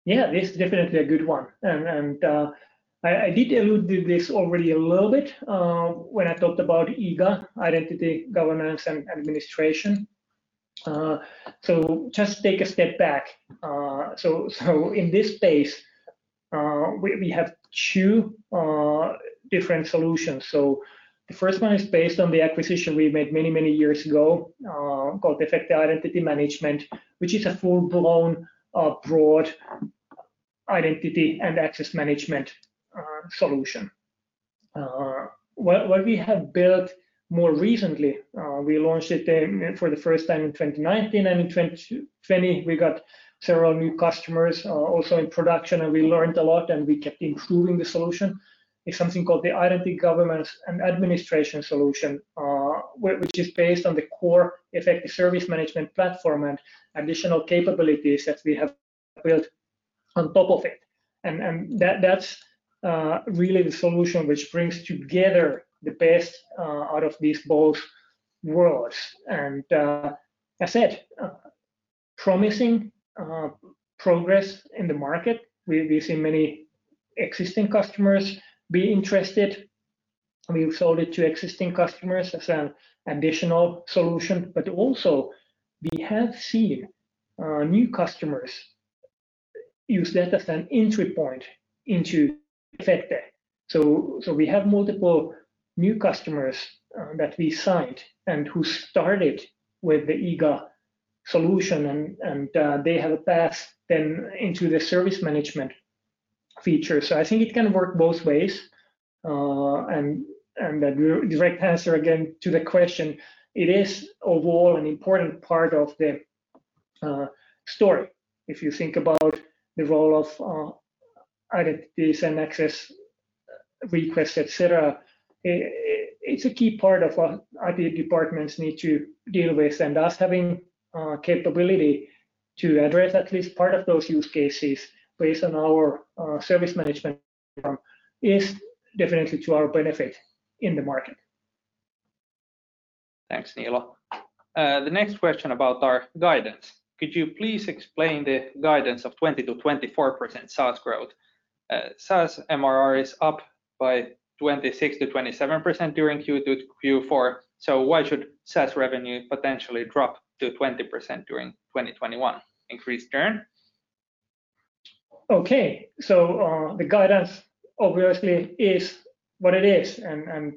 Yeah, this is definitely a good one. I did allude to this already a little bit when I talked about IGA, Identity Governance and Administration. Just take a step back. In this space, we have two different solutions. The first one is based on the acquisition we made many years ago, called Efecte Identity Management, which is a full-blown broad identity and access management solution. What we have built more recently, we launched it for the first time in 2019, and in 2020, we got several new customers also in production, and we learned a lot, and we kept improving the solution, is something called the Identity Governance and Administration solution, which is based on the core Efecte service management platform and additional capabilities that we have built on top of it. That's really the solution which brings together the best out of these both worlds. As I said, promising progress in the market. We've seen many existing customers be interested. We've sold it to existing customers as an additional solution. Also we have seen our new customers use that as an entry point into Efecte. We have multiple new customers that we signed and who started with the IGA solution, and they have passed then into the service management feature. I think it can work both ways. The direct answer again to the question, it is overall an important part of the story. If you think about the role of identities and access requests, et cetera, it's a key part of what IT departments need to deal with. Us having capability to address at least part of those use cases based on our service management platform is definitely to our benefit in the market. Thanks, Niilo. The next question about our guidance. Could you please explain the guidance of 20%-24% SaaS growth? SaaS MRR is up by 26%-27% during Q4. Why should SaaS revenue potentially drop to 20% during 2021? Increased churn? Okay. The guidance obviously is what it is, and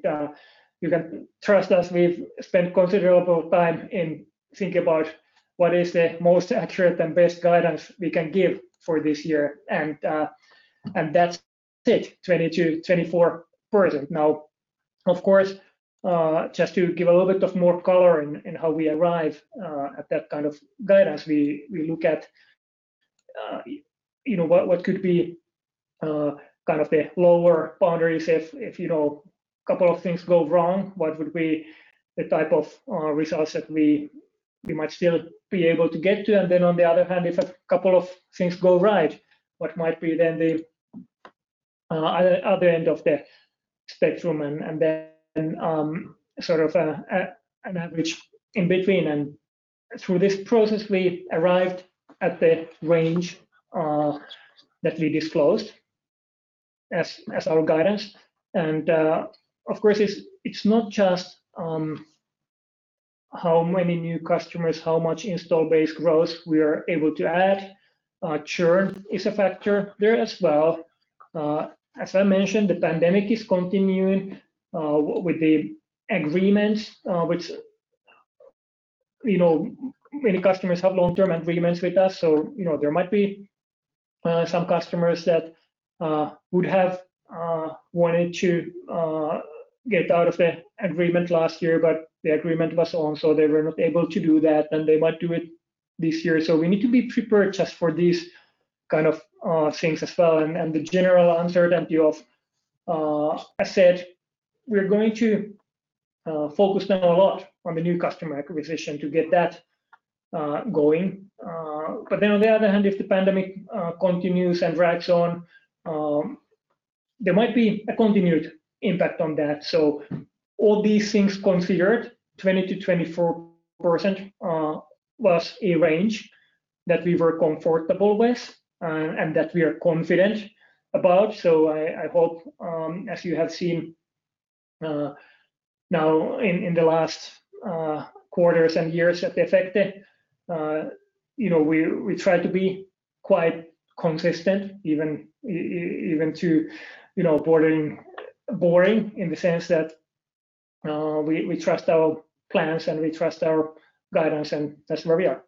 you can trust us, we've spent considerable time in thinking about what is the most accurate and best guidance we can give for this year. That's it, 22%, 24%. Of course, just to give a little bit of more color in how we arrive at that kind of guidance, we look at what could be the lower boundaries if a couple of things go wrong? What would be the type of results that we might still be able to get to? On the other hand, if a couple of things go right, what might be then the other end of the spectrum, and then an average in between? Through this process, we arrived at the range that we disclosed as our guidance. Of course, it's not just how many new customers, how much install base growth we are able to add. Churn is a factor there as well. As I mentioned, the pandemic is continuing with the agreements, which many customers have long-term agreements with us. There might be some customers that would have wanted to get out of the agreement last year, but the agreement was on, so they were not able to do that, and they might do it this year. We need to be prepared just for these kind of things as well, and the general uncertainty as such. We're going to focus then a lot on the new customer acquisition to get that going. On the other hand, if the pandemic continues and drags on, there might be a continued impact on that. All these things considered, 20%-24% was a range that we were comfortable with and that we are confident about. I hope, as you have seen now in the last quarters and years at Efecte, we try to be quite consistent, even to bordering boring in the sense that we trust our plans and we trust our guidance, and that's where we are.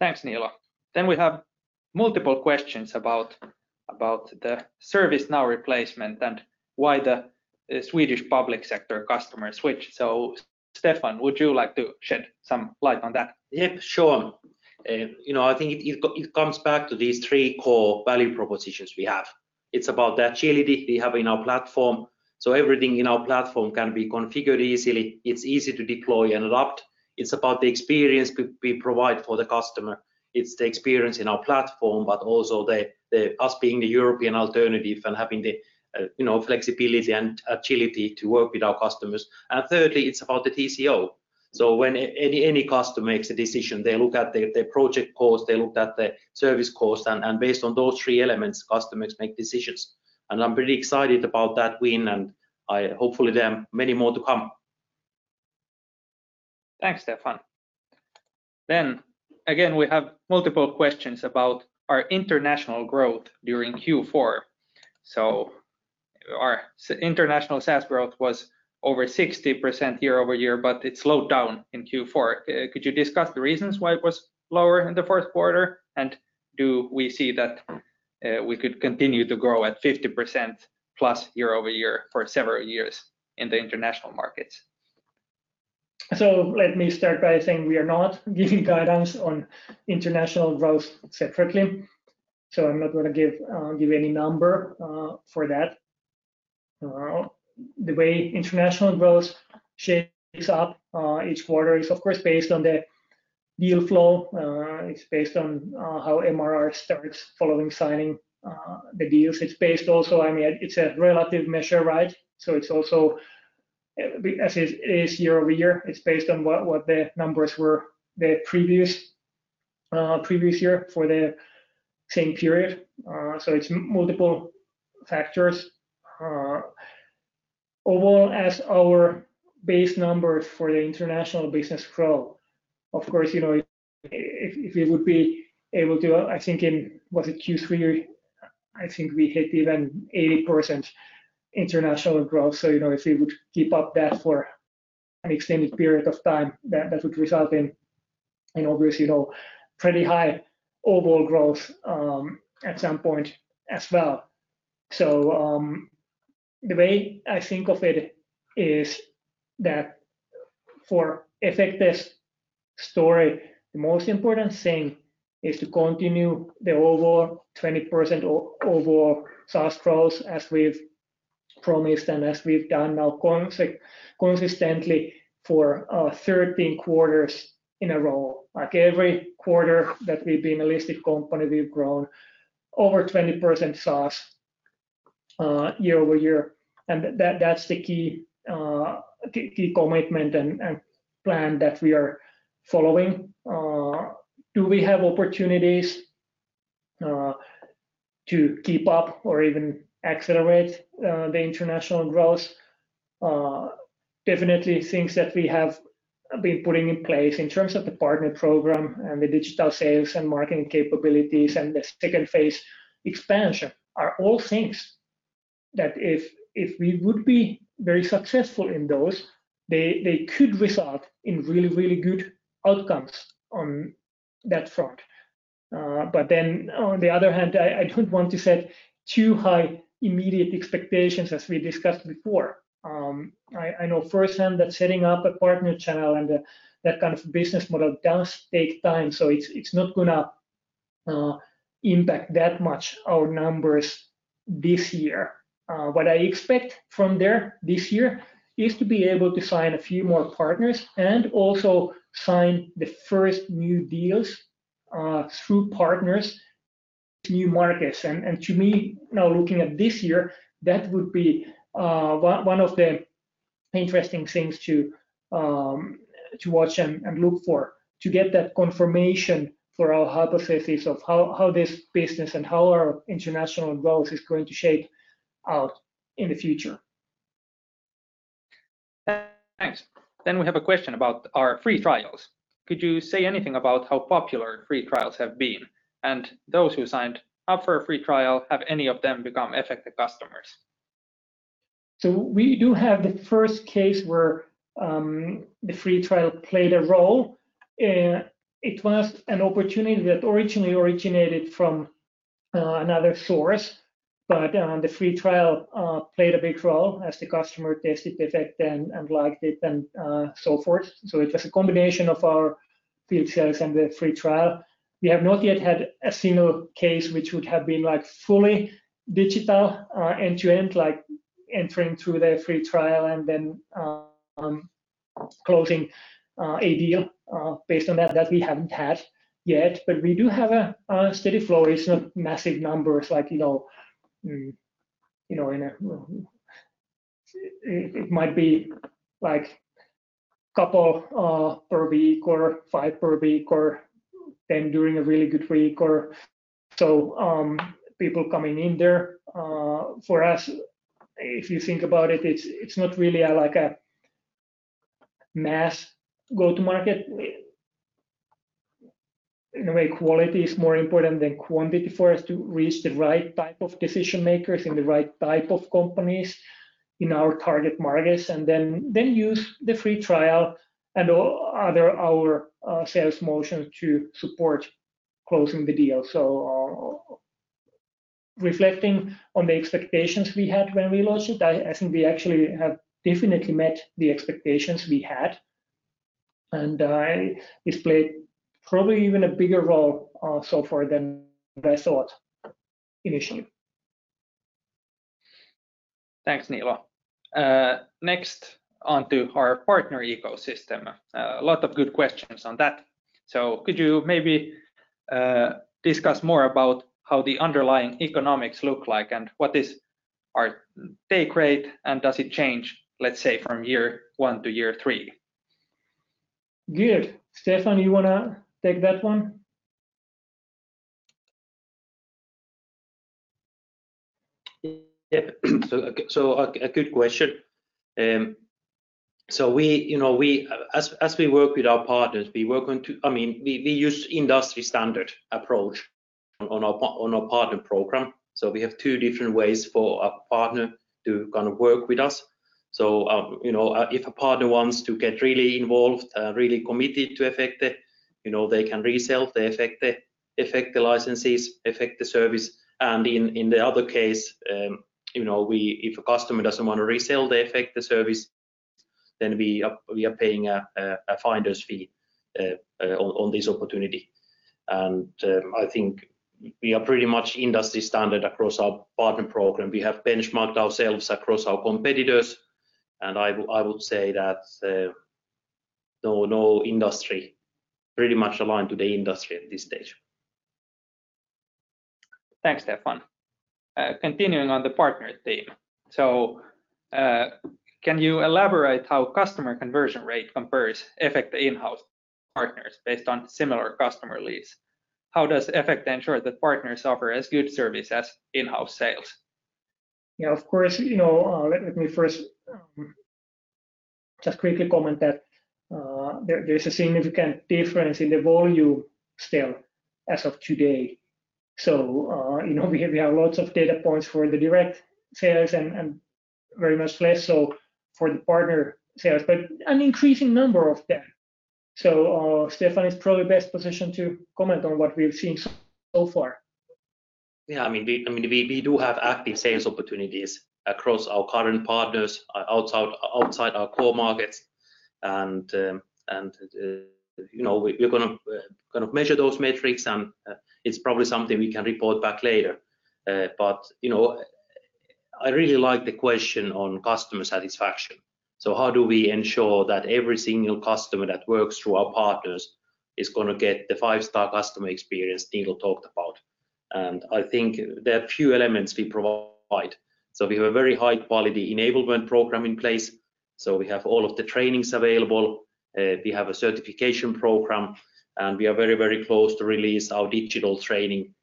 Thanks, Niilo. We have multiple questions about the ServiceNow replacement and why the Swedish public sector customers switched. Steffan, would you like to shed some light on that? Yep, sure. I think it comes back to these three core value propositions we have. It's about the agility we have in our platform. Everything in our platform can be configured easily. It's easy to deploy and adopt. It's about the experience we provide for the customer. It's the experience in our platform, but also us being the European alternative and having the flexibility and agility to work with our customers. Thirdly, it's about the TCO. When any customer makes a decision, they look at the project cost, they look at the service cost, and based on those three elements, customers make decisions. I'm pretty excited about that win, and hopefully there are many more to come. Thanks, Steffan. Again, we have multiple questions about our international growth during Q4. Our international SaaS growth was over 60% year-over-year, but it slowed down in Q4. Could you discuss the reasons why it was lower in the fourth quarter? Do we see that we could continue to grow at 50% plus year-over-year for several years in the international markets? Let me start by saying we are not giving guidance on international growth separately, I'm not going to give any number for that. The way international growth shapes up each quarter is, of course, based on the deal flow. It's based on how MRR starts following signing the deals. It's a relative measure. It's also, as is year-over-year, it's based on what the numbers were the previous year for the same period. It's multiple factors. Overall, as our base numbers for the international business grow, of course, if it would be able to, I think in, was it Q3? I think we hit even 80% international growth. If we would keep up that for an extended period of time, that would result in obviously, pretty high overall growth at some point as well. The way I think of it is that for Efecte's story, the most important thing is to continue the overall 20% overall SaaS growth as we've promised and as we've done now consistently for 13 quarters in a row. Every quarter that we've been a listed company, we've grown over 20% SaaS year-over-year, and that's the key commitment and plan that we are following. Do we have opportunities to keep up or even accelerate the international growth? Definitely things that we have been putting in place in terms of the partner program and the digital sales and marketing capabilities and the second-phase expansion are all things that if we would be very successful in those, they could result in really good outcomes on that front. On the other hand, I don't want to set too high immediate expectations, as we discussed before. I know firsthand that setting up a partner channel and that kind of business model does take time. It's not going to impact that much our numbers this year. What I expect from there this year is to be able to sign a few more partners and also sign the first new deals through partners to new markets. To me, now looking at this year, that would be one of the interesting things to watch and look for, to get that confirmation for our hypothesis of how this business and how our international growth is going to shape out in the future. Thanks. We have a question about our free trials. Could you say anything about how popular free trials have been? Those who signed up for a free trial, have any of them become Efecte customers? We do have the first case where the free trial played a role. It was an opportunity that originally originated from another source, but the free trial played a big role as the customer tested Efecte and liked it and so forth. It was a combination of our field sales and the free trial. We have not yet had a similar case which would have been fully digital end-to-end, like entering through their free trial and then closing a deal based on that. That we haven't had yet, but we do have a steady flow. It's not massive numbers, like it might be couple per week or five per week or 10 during a really good week. People coming in there. For us, if you think about it's not really a mass go-to-market. In a way, quality is more important than quantity for us to reach the right type of decision-makers in the right type of companies in our target markets, then use the free trial and other our sales motion to support closing the deal. Reflecting on the expectations we had when we launched it, I think we actually have definitely met the expectations we had, and it's played probably even a bigger role so far than we thought initially. Thanks, Niilo. Next, onto our partner ecosystem. A lot of good questions on that. Could you maybe discuss more about how the underlying economics look like, and what is our take rate, and does it change, let's say, from year one to year three? Good. Steffan, you want to take that one? Yeah. A good question. As we work with our partners, we use industry-standard approach on our partner program. We have two different ways for a partner to work with us. If a partner wants to get really involved, really committed to Efecte, they can resell the Efecte licenses, Efecte service. In the other case, if a customer doesn't want to resell the Efecte service, then we are paying a finder's fee on this opportunity. I think we are pretty much industry-standard across our partner program. We have benchmarked ourselves across our competitors. I would say that no industry, pretty much aligned to the industry at this stage. Thanks, Steffan. Continuing on the partner theme. Can you elaborate how customer conversion rate compares Efecte in-house partners based on similar customer leads? How does Efecte ensure that partners offer as good service as in-house sales? Yeah, of course. Let me first just quickly comment that there's a significant difference in the volume still as of today. We have lots of data points for the direct sales and very much less so for the partner sales, but an increasing number of them. Steffan is probably best positioned to comment on what we've seen so far. Yeah. We do have active sales opportunities across our current partners outside our core markets. We're going to measure those metrics, and it's probably something we can report back later. I really like the question on customer satisfaction. How do we ensure that every single customer that works through our partners is going to get the five-star customer experience Niilo talked about? I think there are a few elements we provide. We have a very high-quality enablement program in place. We have all of the trainings available. We have a certification program, and we are very close to release our digital training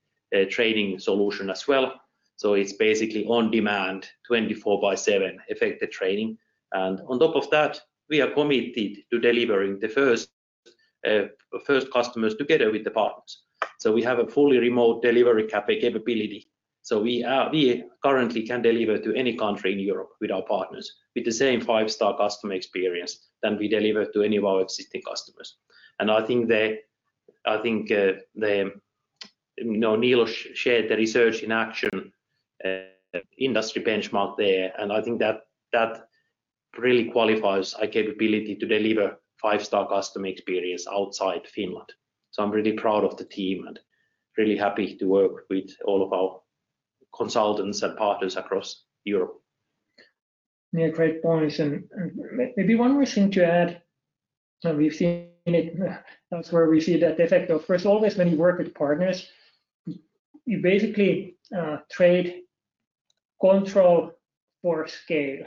solution as well. It's basically on-demand, 24/7 Efecte training. On top of that, we are committed to delivering the first customers together with the partners. We have a fully remote delivery capability. We currently can deliver to any country in Europe with our partners with the same five-star customer experience than we deliver to any of our existing customers. I think Niilo shared the Research in Action industry benchmark there, and I think that really qualifies our capability to deliver five-star customer experience outside Finland. I'm really proud of the team and really happy to work with all of our consultants and partners across Europe. Yeah, great points. Maybe one more thing to add, and that's where we see that Efecte, first always when you work with partners, you basically trade control for scale.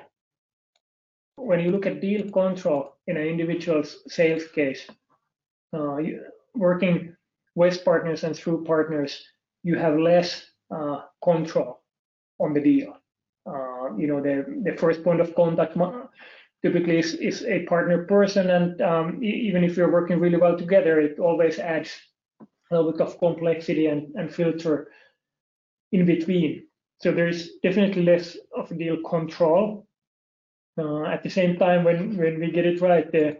When you look at deal control in an individual sales case, working with partners and through partners, you have less control on the deal. The first point of contact typically is a partner person, and even if you're working really well together, it always adds a little bit of complexity and filter in between. There's definitely less of deal control. At the same time, when we get it right, the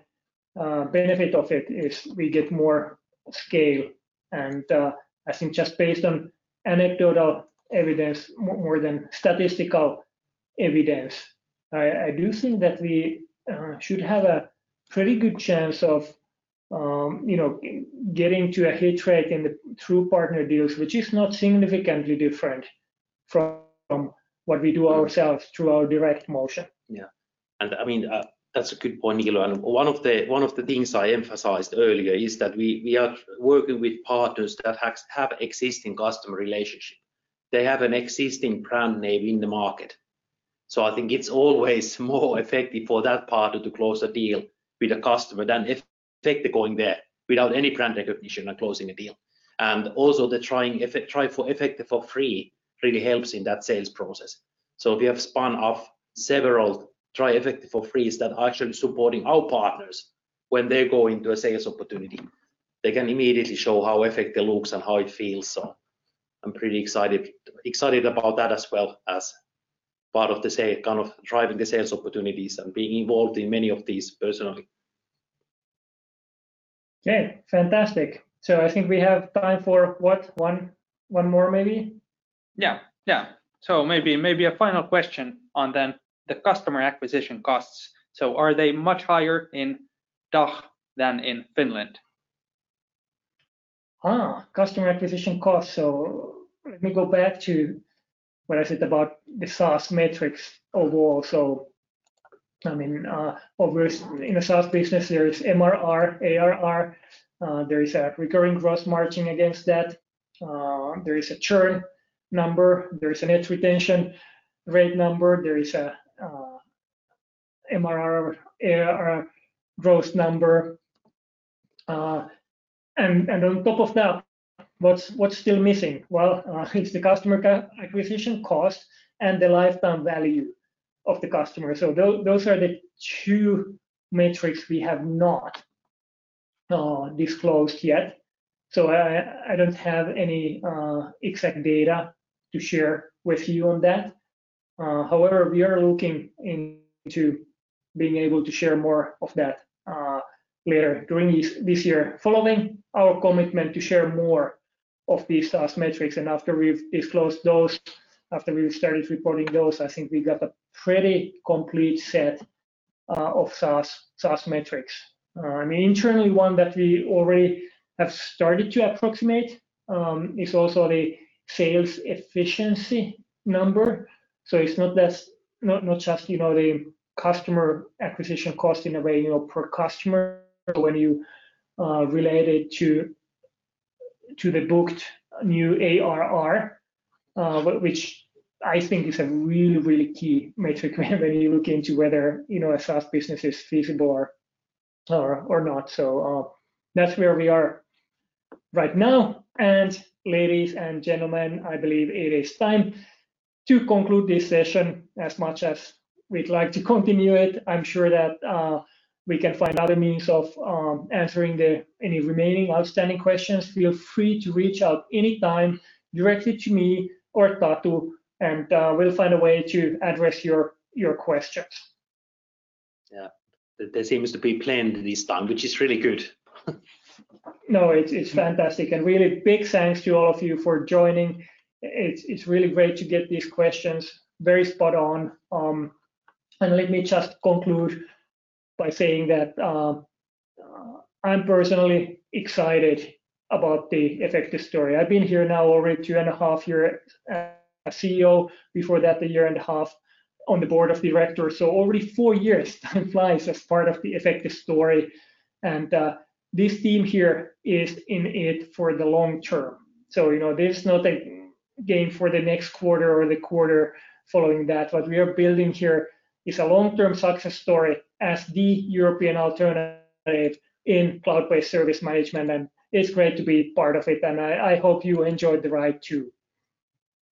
benefit of it is we get more scale. I think just based on anecdotal evidence more than statistical evidence, I do think that we should have a pretty good chance of getting to a hit rate in the through-partner deals, which is not significantly different from what we do ourselves through our direct motion. Yeah. That's a good point, Niilo. One of the things I emphasized earlier is that we are working with partners that have existing customer relationship. They have an existing brand name in the market. I think it's always more effective for that partner to close a deal with a customer than if Efecte going there without any brand recognition and closing a deal. Also the Try Efecte for free really helps in that sales process. We have spun off several Try Efecte for frees that are actually supporting our partners when they go into a sales opportunity. They can immediately show how Efecte looks and how it feels. I'm pretty excited about that as well as part of the kind of driving the sales opportunities and being involved in many of these personally. Okay. Fantastic. I think we have time for what? One more maybe? Yeah. Maybe a final question on then the customer acquisition costs. Are they much higher in DACH than in Finland? Customer acquisition cost. Let me go back to what I said about the SaaS metrics overall. In a SaaS business, there is MRR, ARR, there is a recurring gross margin against that, there is a churn number, there is a net retention rate number, there is a MRR, ARR gross number. On top of that, what's still missing? It's the customer acquisition cost and the lifetime value of the customer. Those are the two metrics we have not disclosed yet. I don't have any exact data to share with you on that. However, we are looking into being able to share more of that later during this year, following our commitment to share more of the SaaS metrics. After we've disclosed those, after we've started reporting those, I think we got a pretty complete set of SaaS metrics. Internally, one that we already have started to approximate is also the sales efficiency number. It's not just the customer acquisition cost in a way per customer, but when you relate it to the booked new ARR, which I think is a really key metric when you look into whether a SaaS business is feasible or not. That's where we are right now. Ladies and gentlemen, I believe it is time to conclude this session. As much as we'd like to continue it, I'm sure that we can find other means of answering any remaining outstanding questions. Feel free to reach out anytime directly to me or Tatu, and we'll find a way to address your questions. Yeah. There seems to be plenty this time, which is really good. It's fantastic. Really big thanks to all of you for joining. It's really great to get these questions. Very spot on. Let me just conclude by saying that I'm personally excited about the Efecte story. I've been here now already two and a half year as CEO, before that, a year and a half on the board of directors. Already four years, time flies, as part of the Efecte story. This team here is in it for the long term. There's no game for the next quarter or the quarter following that. What we are building here is a long-term success story as the European alternative in cloud-based service management, and it's great to be part of it. I hope you enjoyed the ride too.